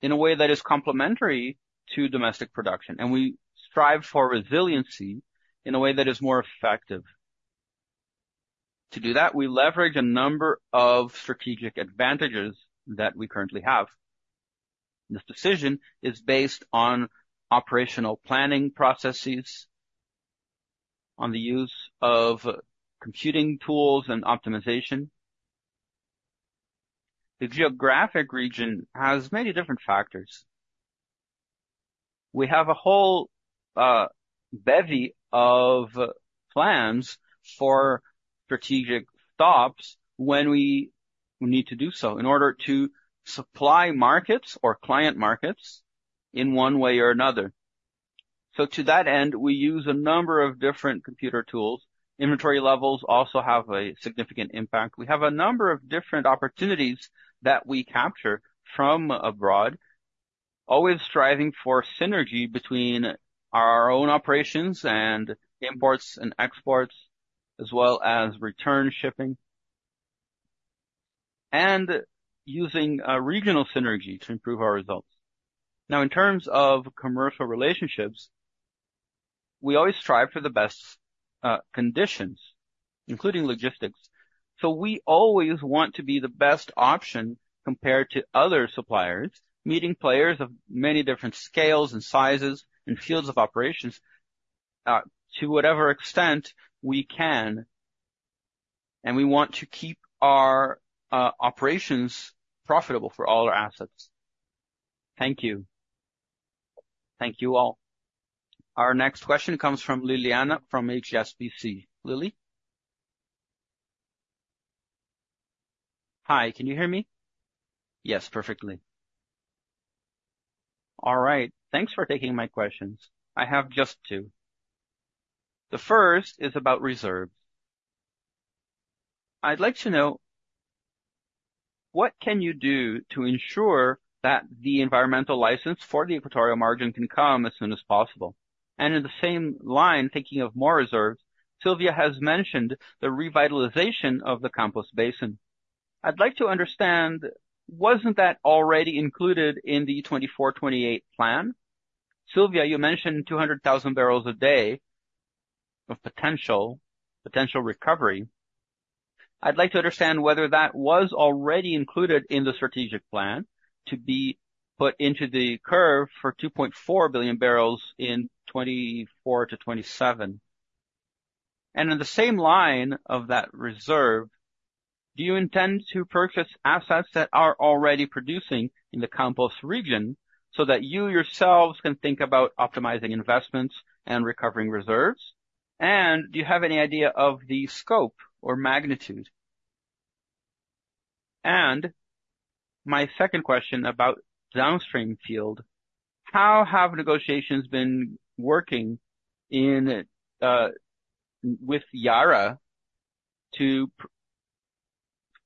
in a way that is complementary to domestic production, and we strive for resiliency in a way that is more effective. To do that, we leverage a number of strategic advantages that we currently have. This decision is based on operational planning processes, on the use of computing tools and optimization. The geographic region has many different factors. We have a whole bevy of plans for strategic stops when we need to do so in order to supply markets or client markets in one way or another, so to that end, we use a number of different computer tools. Inventory levels also have a significant impact. We have a number of different opportunities that we capture from abroad, always striving for synergy between our own operations and imports and exports, as well as return shipping, and using regional synergy to improve our results. Now, in terms of commercial relationships, we always strive for the best conditions, including logistics. So we always want to be the best option compared to other suppliers, meeting players of many different scales and sizes and fields of operations to whatever extent we can, and we want to keep our operations profitable for all our assets. Thank you. Thank you all. Our next question comes from Lilyanna from HSBC. Lily? Hi, can you hear me? Yes, perfectly. All right. Thanks for taking my questions. I have just two. The first is about reserves. I'd like to know what can you do to ensure that the environmental license for the Equatorial Margin can come as soon as possible? And in the same line, thinking of more reserves, Sylvia has mentioned the revitalization of the Campos Basin. I'd like to understand, wasn't that already included in the 2024-2028 plan? Sylvia, you mentioned 200,000 barrels a day of potential recovery. I'd like to understand whether that was already included in the strategic plan to be put into the curve for 2.4 billion barrels in 2024 to 2027. And in the same line of that reserve, do you intend to purchase assets that are already producing in the Campos region so that you yourselves can think about optimizing investments and recovering reserves? And do you have any idea of the scope or magnitude? My second question about downstream field: how have negotiations been working with Yara to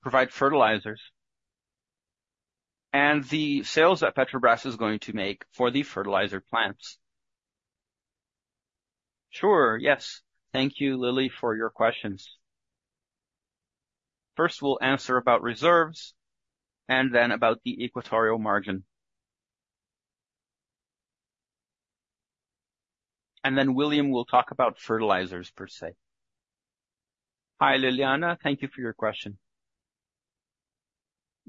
provide fertilizers and the sales that Petrobras is going to make for the fertilizer plants? Sure. Yes. Thank you, Lily, for your questions. First, we'll answer about reserves and then about the Equatorial Margin. Then William will talk about fertilizers per se. Hi, Liliana. Thank you for your question.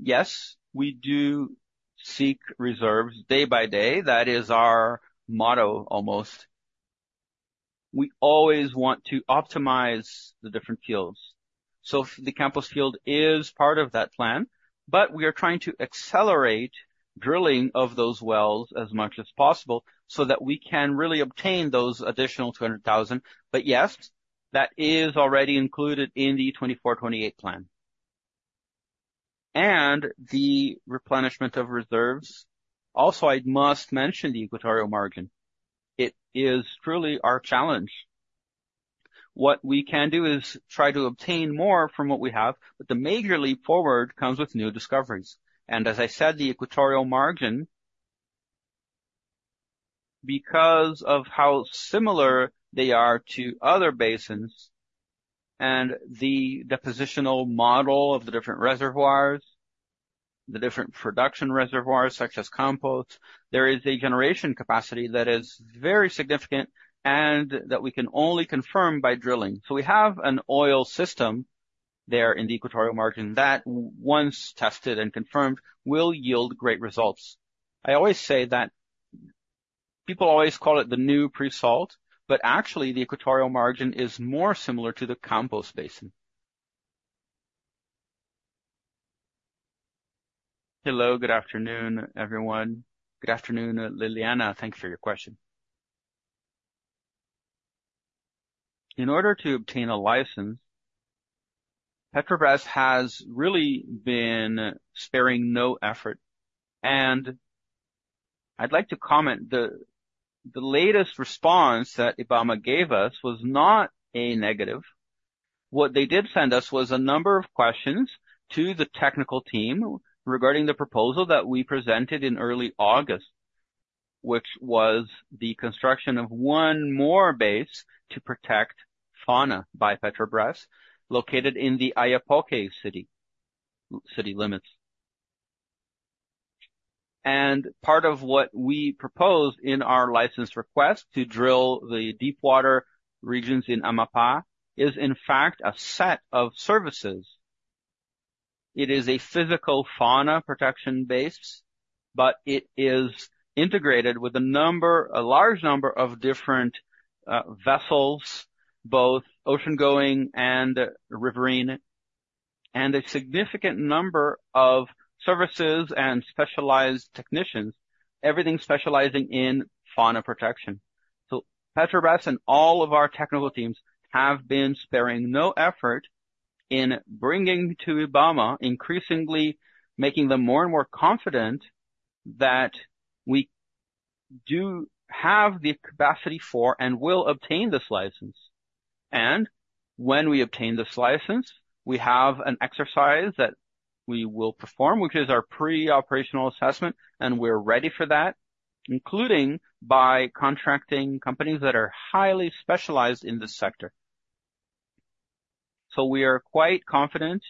Yes, we do seek reserves day by day. That is our motto almost. We always want to optimize the different fields. So the Campos field is part of that plan, but we are trying to accelerate drilling of those wells as much as possible so that we can really obtain those additional 200,000. But yes, that is already included in the 2024-2028 plan. And the replenishment of reserves. Also, I must mention the Equatorial Margin. It is truly our challenge. What we can do is try to obtain more from what we have, but the major leap forward comes with new discoveries. As I said, the Equatorial Margin, because of how similar they are to other basins and the depositional model of the different reservoirs, the different production reservoirs such as Campos, there is a generation capacity that is very significant and that we can only confirm by drilling. So we have an oil system there in the Equatorial Margin that, once tested and confirmed, will yield great results. I always say that people always call it the new pre-salt, but actually, the Equatorial Margin is more similar to the Campos Basin. Hello. Good afternoon, everyone. Good afternoon, Lilyanna. Thanks for your question. In order to obtain a license, Petrobras has really been sparing no effort. And I'd like to comment the latest response that Ibama gave us was not a negative. What they did send us was a number of questions to the technical team regarding the proposal that we presented in early August, which was the construction of one more base to protect fauna by Petrobras located in the Oiapoque city limits. And part of what we proposed in our license request to drill the deep water regions in Amapá is, in fact, a set of services. It is a physical fauna protection base, but it is integrated with a large number of different vessels, both ocean-going and riverine, and a significant number of services and specialized technicians, everything specializing in fauna protection. Petrobras and all of our technical teams have been sparing no effort in bringing to Ibama increasingly making them more and more confident that we do have the capacity for and will obtain this license. And when we obtain this license, we have an exercise that we will perform, which is our pre-operational assessment, and we're ready for that, including by contracting companies that are highly specialized in this sector. So we are quite confident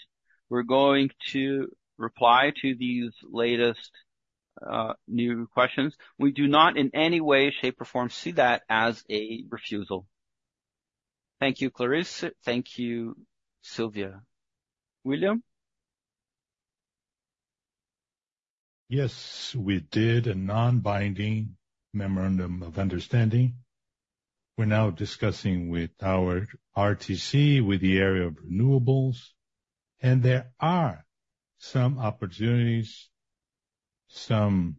we're going to reply to these latest new questions. We do not in any way, shape, or form see that as a refusal. Thank you, Clarice. Thank you, Sylvia. William? Yes, we did a non-binding memorandum of understanding. We're now discussing with our RTC, with the area of renewables, and there are some opportunities, some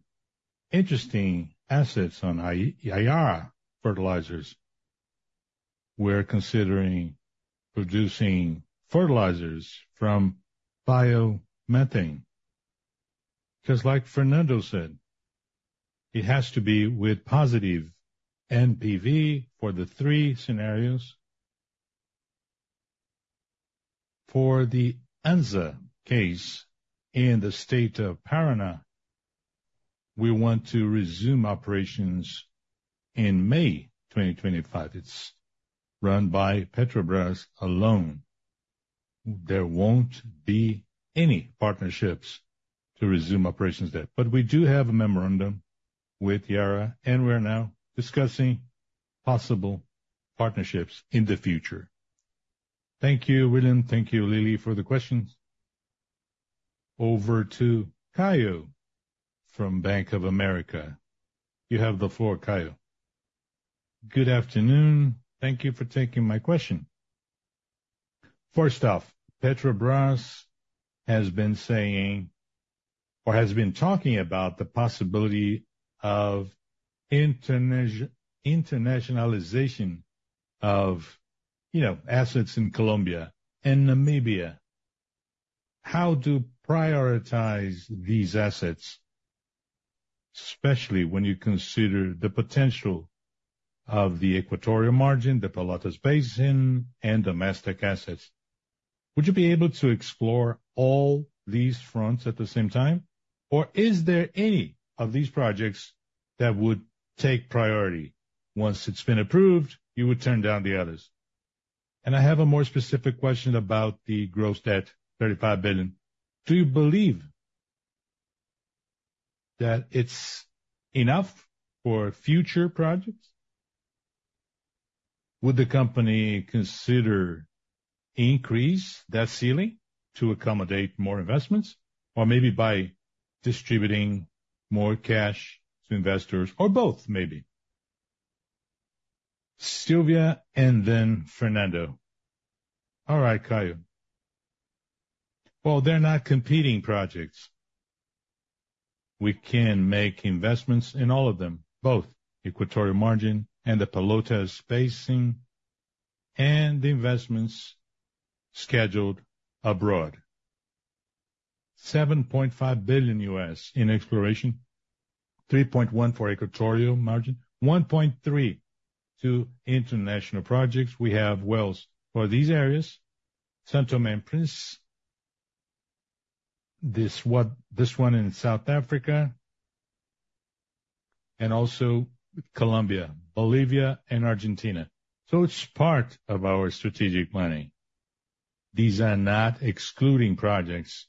interesting assets on Yara fertilizers. We're considering producing fertilizers from biomethane because, like Fernando said, it has to be with positive NPV for the three scenarios. For the ANSA case in the state of Paraná, we want to resume operations in May 2025. It's run by Petrobras alone. There won't be any partnerships to resume operations there. But we do have a memorandum with Yara, and we're now discussing possible partnerships in the future. Thank you, William. Thank you, Lily, for the questions. Over to Caio from Bank of America. You have the floor, Caio. Good afternoon. Thank you for taking my question. First off, Petrobras has been saying or has been talking about the possibility of internationalization of assets in Colombia and Namibia. How do you prioritize these assets, especially when you consider the potential of the Equatorial Margin, the Pelotas Basin, and domestic assets? Would you be able to explore all these fronts at the same time, or is there any of these projects that would take priority? Once it's been approved, you would turn down the others. And I have a more specific question about the gross debt, $35 billion. Do you believe that it's enough for future projects? Would the company consider increasing that ceiling to accommodate more investments, or maybe by distributing more cash to investors, or both maybe? Sylvia and then Fernando. All right, Caio. Well, they're not competing projects. We can make investments in all of them, both Equatorial Margin and the Pelotas Basin and the investments scheduled abroad. $7.5 billion in exploration, $3.1 billion for Equatorial Margin, $1.3 billion to international projects. We have wells for these areas, São Tomé, this one in South Africa, and also Colombia, Bolivia, and Argentina. So it's part of our strategic planning. These are not excluding projects.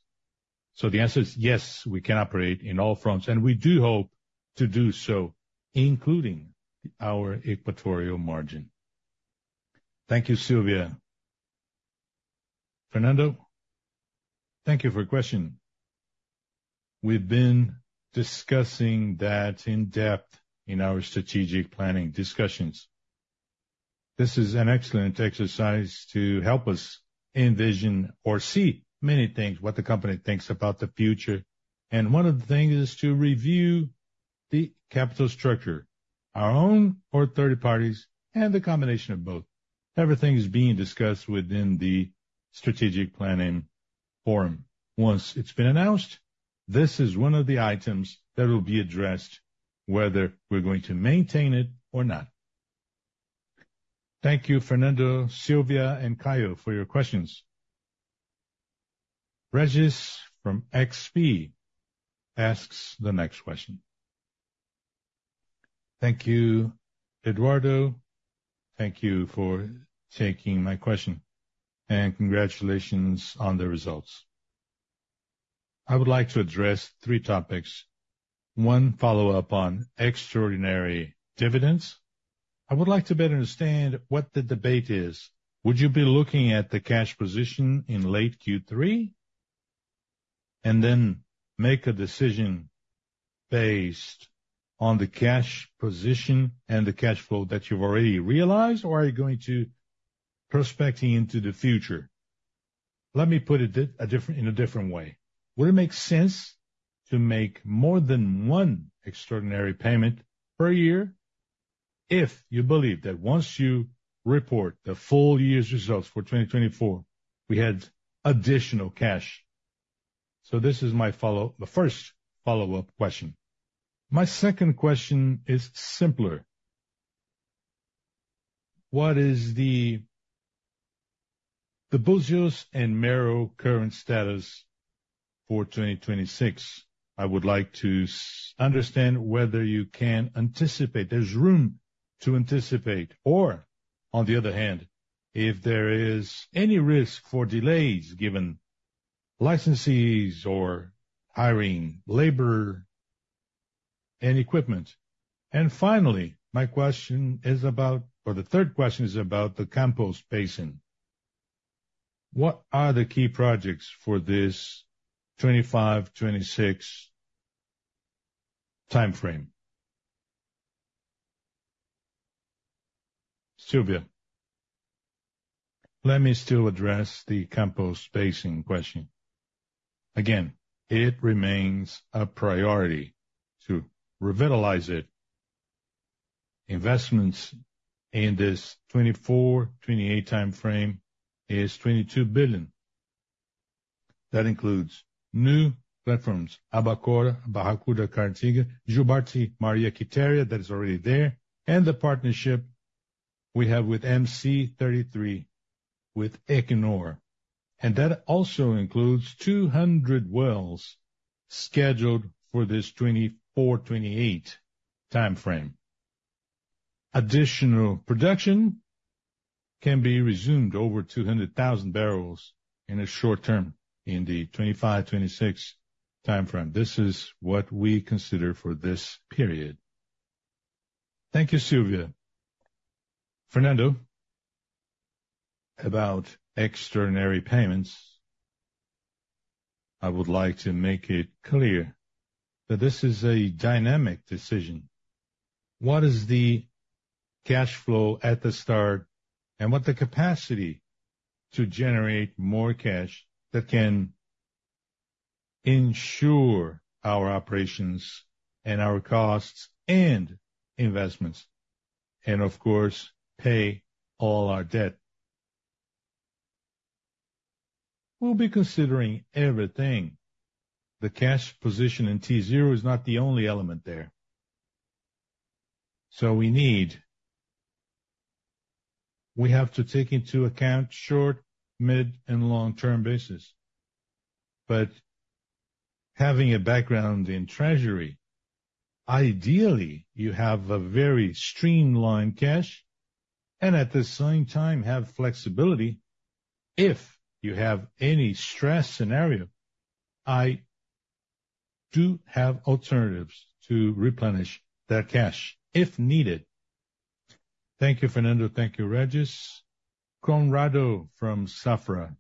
So the answer is yes, we can operate in all fronts, and we do hope to do so, including our Equatorial Margin. Thank you, Sylvia. Fernando, thank you for your question. We've been discussing that in depth in our strategic planning discussions. This is an excellent exercise to help us envision or see many things, what the company thinks about the future. And one of the things is to review the capital structure, our own or third parties, and the combination of both. Everything is being discussed within the strategic planning forum. Once it's been announced, this is one of the items that will be addressed, whether we're going to maintain it or not. Thank you, Fernando, Sylvia, and Caio for your questions. Regis from XP asks the next question. Thank you, Eduardo. Thank you for taking my question, and congratulations on the results. I would like to address three topics. One, follow up on extraordinary dividends. I would like to better understand what the debate is. Would you be looking at the cash position in late Q3 and then make a decision based on the cash position and the cash flow that you've already realized, or are you going to prospect into the future? Let me put it in a different way. Would it make sense to make more than one extraordinary payment per year if you believe that once you report the full year's results for 2024, we had additional cash? So this is my follow-up, the first follow-up question. My second question is simpler. What is the Búzios and Mero current status for 2026? I would like to understand whether you can anticipate there's room to anticipate, or on the other hand, if there is any risk for delays given licensees or hiring labor and equipment. And finally, my question is about, or the third question is about the Campos Basin. What are the key projects for this 25-26 timeframe? Sylvia, let me still address the Campos Basin question. Again, it remains a priority to revitalize it. Investments in this 24-28 timeframe is $22 billion. That includes new platforms, Albacora, Barracuda, Caratinga, Jubarte, Maria Quitéria that is already there, and the partnership we have with BM-C-33 with Equinor. And that also includes 200 wells scheduled for this 24-28 timeframe. Additional production can be resumed over 200,000 barrels in a short term in the 25-26 timeframe. This is what we consider for this period. Thank you, Sylvia. Fernando. About extraordinary payments, I would like to make it clear that this is a dynamic decision. What is the cash flow at the start and what the capacity to generate more cash that can ensure our operations and our costs and investments, and of course, pay all our debt? We'll be considering everything. The cash position in T0 is not the only element there. So we need, we have to take into account short, mid, and long-term basis. But having a background in treasury, ideally, you have a very streamlined cash and at the same time have flexibility if you have any stress scenario. I do have alternatives to replenish that cash if needed. Thank you, Fernando. Thank you, Regis. Conrado from Safra,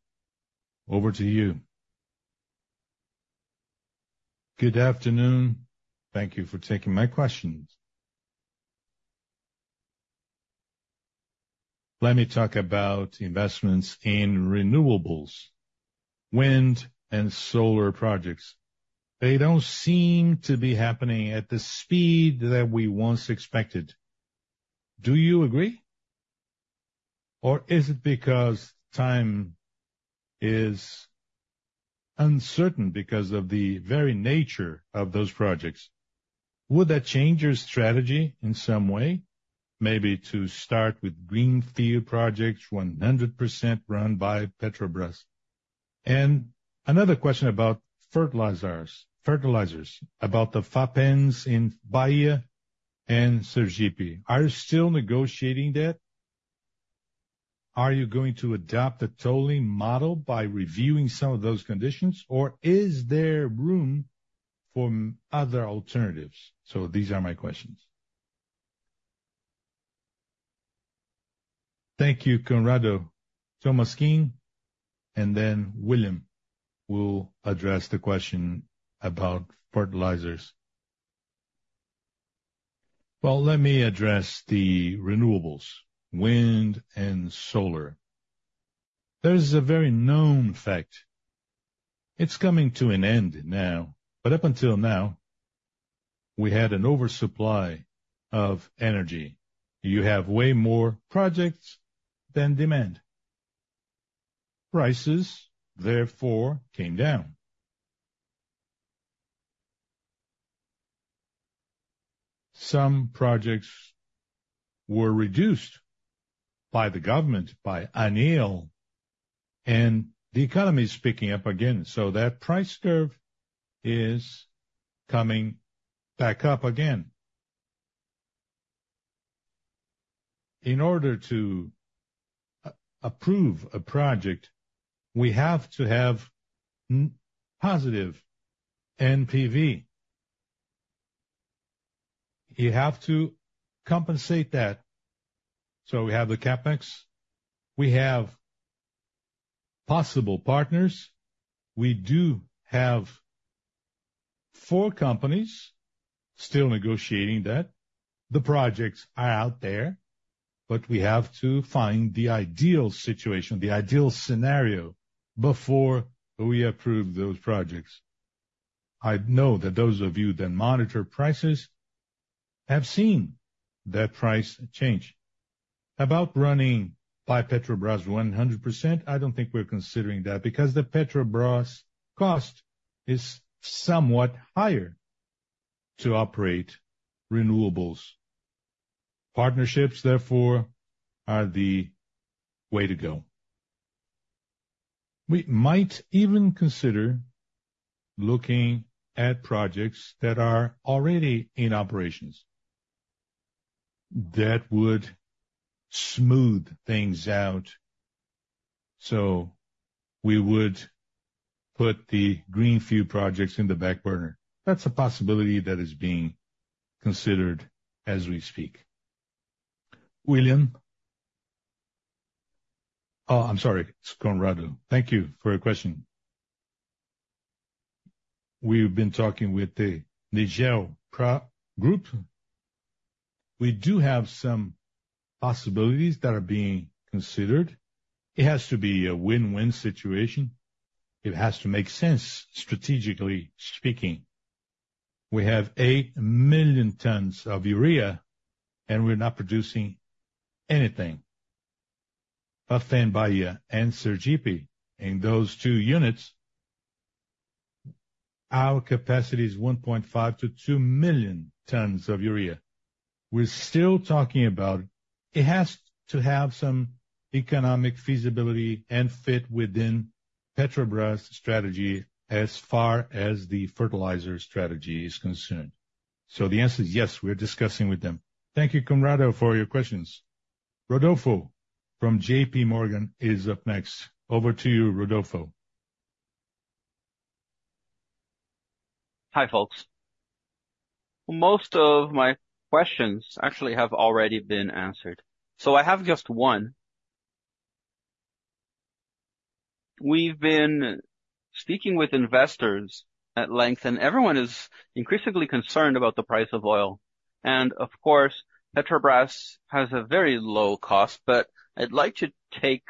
over to you. Good afternoon. Thank you for taking my questions. Let me talk about investments in renewables, wind, and solar projects. They don't seem to be happening at the speed that we once expected. Do you agree? Or is it because time is uncertain because of the very nature of those projects? Would that change your strategy in some way, maybe to start with greenfield projects 100% run by Petrobras? And another question about fertilizers, about the FAFENs in Bahia and Sergipe. Are you still negotiating debt? Are you going to adopt a tolling model by reviewing some of those conditions, or is there room for other alternatives? So these are my questions. Thank you, Conrado Tolmasquim, and then William will address the question about fertilizers. Well, let me address the renewables, wind and solar. There's a very known fact. It's coming to an end now, but up until now, we had an oversupply of energy. You have way more projects than demand. Prices, therefore, came down. Some projects were reduced by the government, by ANP, and the economy is picking up again. So that price curve is coming back up again. In order to approve a project, we have to have positive NPV. You have to compensate that. So we have the CapEx. We have possible partners. We do have four companies still negotiating debt. The projects are out there, but we have to find the ideal situation, the ideal scenario before we approve those projects. I know that those of you that monitor prices have seen that price change. About running by Petrobras 100%, I don't think we're considering that because the Petrobras cost is somewhat higher to operate renewables. Partnerships, therefore, are the way to go. We might even consider looking at projects that are already in operations that would smooth things out. So we would put the greenfield projects in the back burner. That's a possibility that is being considered as we speak. William? Oh, I'm sorry, Conrado. Thank you for your question. We've been talking with the Unigel. We do have some possibilities that are being considered. It has to be a win-win situation. It has to make sense, strategically speaking. We have 8 million tons of urea, and we're not producing anything. Both in Bahia and Sergipe, in those two units, our capacity is 1.5-2 million tons of urea. We're still talking about it. It has to have some economic feasibility and fit within Petrobras' strategy as far as the fertilizer strategy is concerned. So the answer is yes, we're discussing with them. Thank you, Conrado, for your questions. Rodolfo from JP Morgan is up next. Over to you, Rodolfo. Hi, folks. Most of my questions actually have already been answered. So I have just one. We've been speaking with investors at length, and everyone is increasingly concerned about the price of oil, and of course, Petrobras has a very low cost, but I'd like to take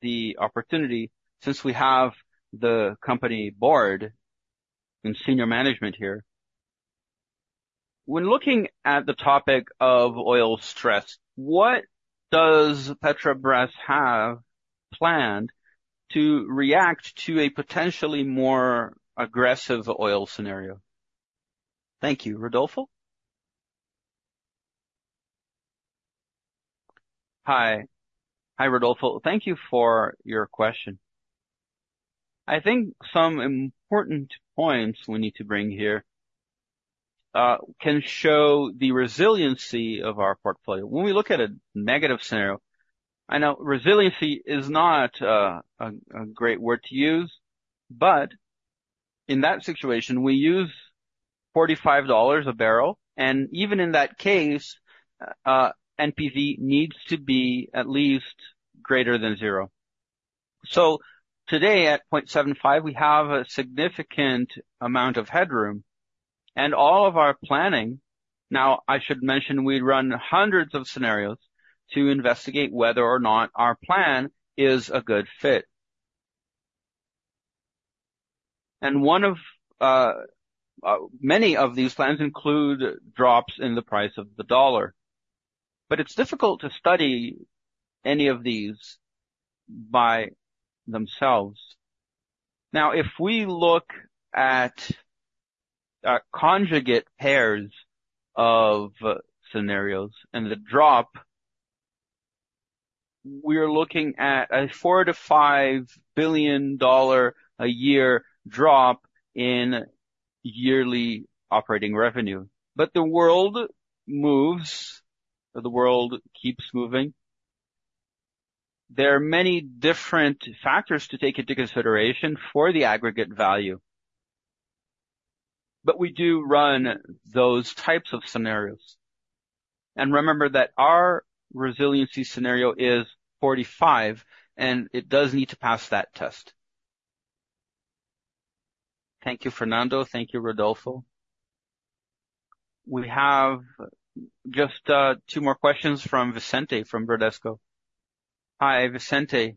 the opportunity since we have the company board and senior management here. When looking at the topic of oil stress, what does Petrobras have planned to react to a potentially more aggressive oil scenario? Thank you, Rodolfo. Hi. Hi, Rodolfo. Thank you for your question. I think some important points we need to bring here can show the resiliency of our portfolio. When we look at a negative scenario, I know resiliency is not a great word to use, but in that situation, we use $45 a barrel, and even in that case, NPV needs to be at least greater than zero. So today at 0.75, we have a significant amount of headroom, and all of our planning now, I should mention, we run hundreds of scenarios to investigate whether or not our plan is a good fit. And one of many of these plans includes drops in the price of the dollar, but it's difficult to study any of these by themselves. Now, if we look at conjugate pairs of scenarios and the drop, we're looking at a $4-$5 billion a year drop in yearly operating revenue. But the world moves, or the world keeps moving. There are many different factors to take into consideration for the aggregate value, but we do run those types of scenarios. And remember that our resiliency scenario is 45, and it does need to pass that test. Thank you, Fernando. Thank you, Rodolfo. We have just two more questions from Vicente from Bradesco. Hi, Vicente.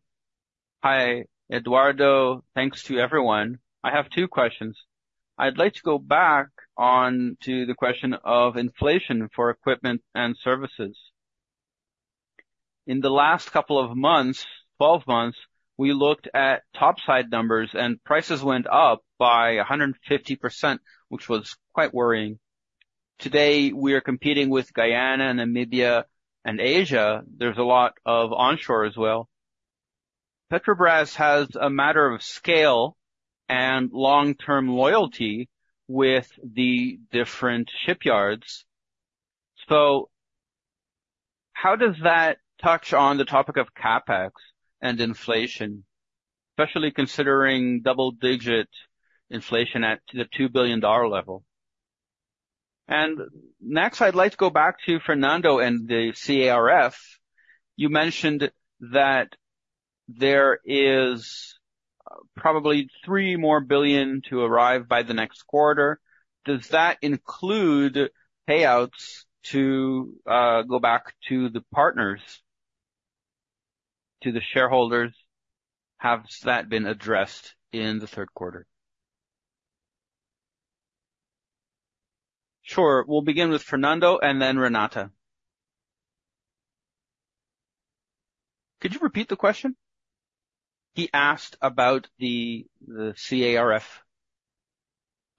Hi, Eduardo. Thanks to everyone. I have two questions. I'd like to go back on to the question of inflation for equipment and services. In the last couple of months, 12 months, we looked at topside numbers, and prices went up by 150%, which was quite worrying. Today, we are competing with Guyana and Namibia and Asia. There's a lot of onshore as well. Petrobras has a matter of scale and long-term loyalty with the different shipyards. So how does that touch on the topic of CapEx and inflation, especially considering double-digit inflation at the $2 billion level? And next, I'd like to go back to Fernando and the CARF. You mentioned that there is probably 3 more billion to arrive by the next quarter. Does that include payouts to go back to the partners, to the shareholders? Has that been addressed in the third quarter? Sure. We'll begin with Fernando and then Renata. Could you repeat the question? He asked about the CARF.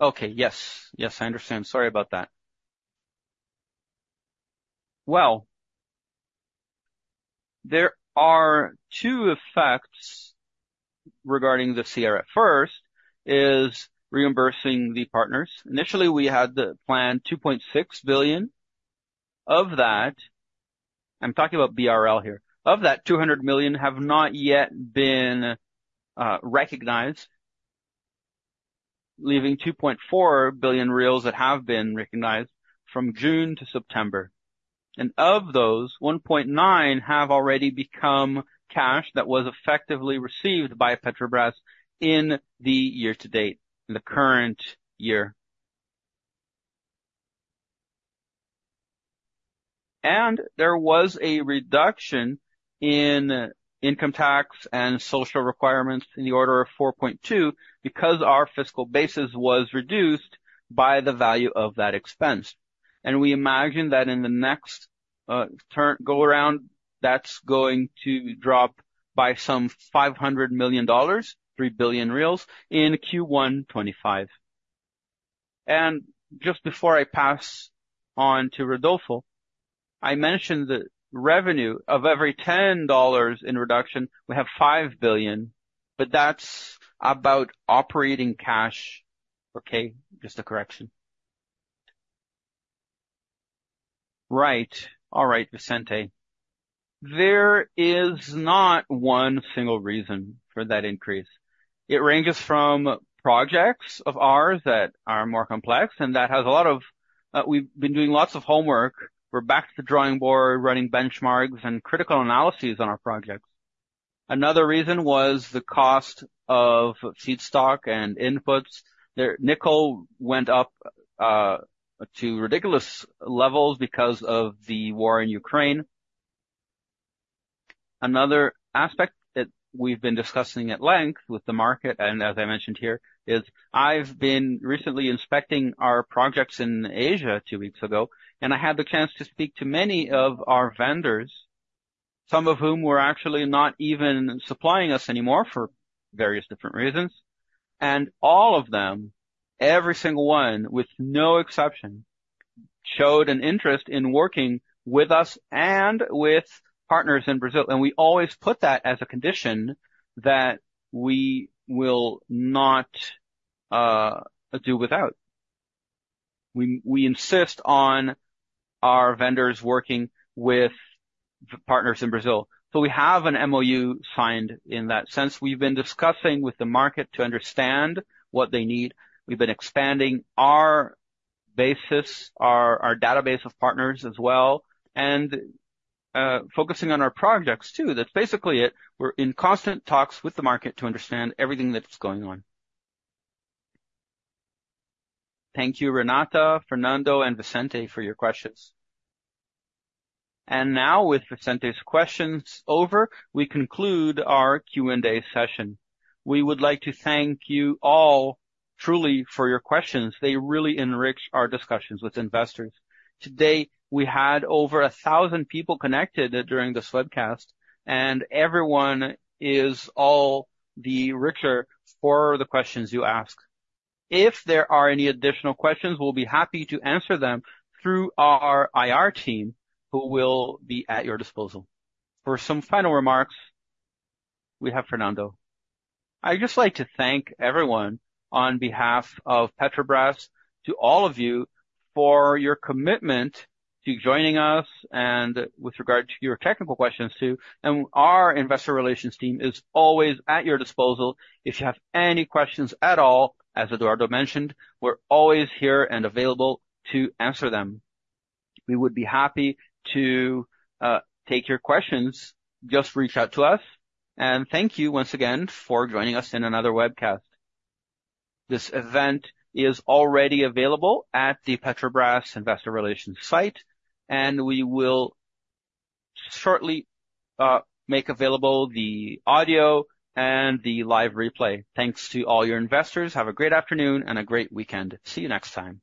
Okay. Yes. Yes, I understand. Sorry about that. There are two effects regarding the CARF. First is reimbursing the partners. Initially, we had the planned 2.6 billion. Of that, I'm talking about BRL here. Of that, 200 million have not yet been recognized, leaving 2.4 billion that have been recognized from June to September. Of those, 1.9 have already become cash that was effectively received by Petrobras in the year to date, the current year. There was a reduction in income tax and social requirements in the order of 4.2 because our fiscal basis was reduced by the value of that expense. We imagine that in the next go around, that's going to drop by some $500 million, 3 billion reals in Q1 2025. Just before I pass on to Rodolfo, I mentioned the revenue of every $10 in reduction. We have $5 billion, but that's about operating cash. Okay. Just a correction. Right. All right, Vicente. There is not one single reason for that increase. It ranges from projects of ours that are more complex, and that has a lot of we've been doing lots of homework. We're back to the drawing board, running benchmarks and critical analyses on our projects. Another reason was the cost of feedstock and inputs. Nickel went up to ridiculous levels because of the war in Ukraine. Another aspect that we've been discussing at length with the market, and as I mentioned here, is I've been recently inspecting our projects in Asia two weeks ago, and I had the chance to speak to many of our vendors, some of whom were actually not even supplying us anymore for various different reasons. And all of them, every single one with no exception, showed an interest in working with us and with partners in Brazil. And we always put that as a condition that we will not do without. We insist on our vendors working with the partners in Brazil. So we have an MOU signed in that sense. We've been discussing with the market to understand what they need. We've been expanding our basis, our database of partners as well, and focusing on our projects too. That's basically it. We're in constant talks with the market to understand everything that's going on. Thank you, Renata, Fernando, and Vicente for your questions, and now, with Vicente's questions over, we conclude our Q&A session. We would like to thank you all truly for your questions. They really enrich our discussions with investors. Today, we had over 1,000 people connected during this webcast, and everyone is all the richer for the questions you asked. If there are any additional questions, we'll be happy to answer them through our IR team, who will be at your disposal. For some final remarks, we have Fernando. I'd just like to thank everyone on behalf of Petrobras, to all of you, for your commitment to joining us and with regard to your technical questions too, and our investor relations team is always at your disposal. If you have any questions at all, as Eduardo mentioned, we're always here and available to answer them. We would be happy to take your questions. Just reach out to us. And thank you once again for joining us in another webcast. This event is already available at the Petrobras investor relations site, and we will shortly make available the audio and the live replay. Thanks to all your investors. Have a great afternoon and a great weekend. See you next time.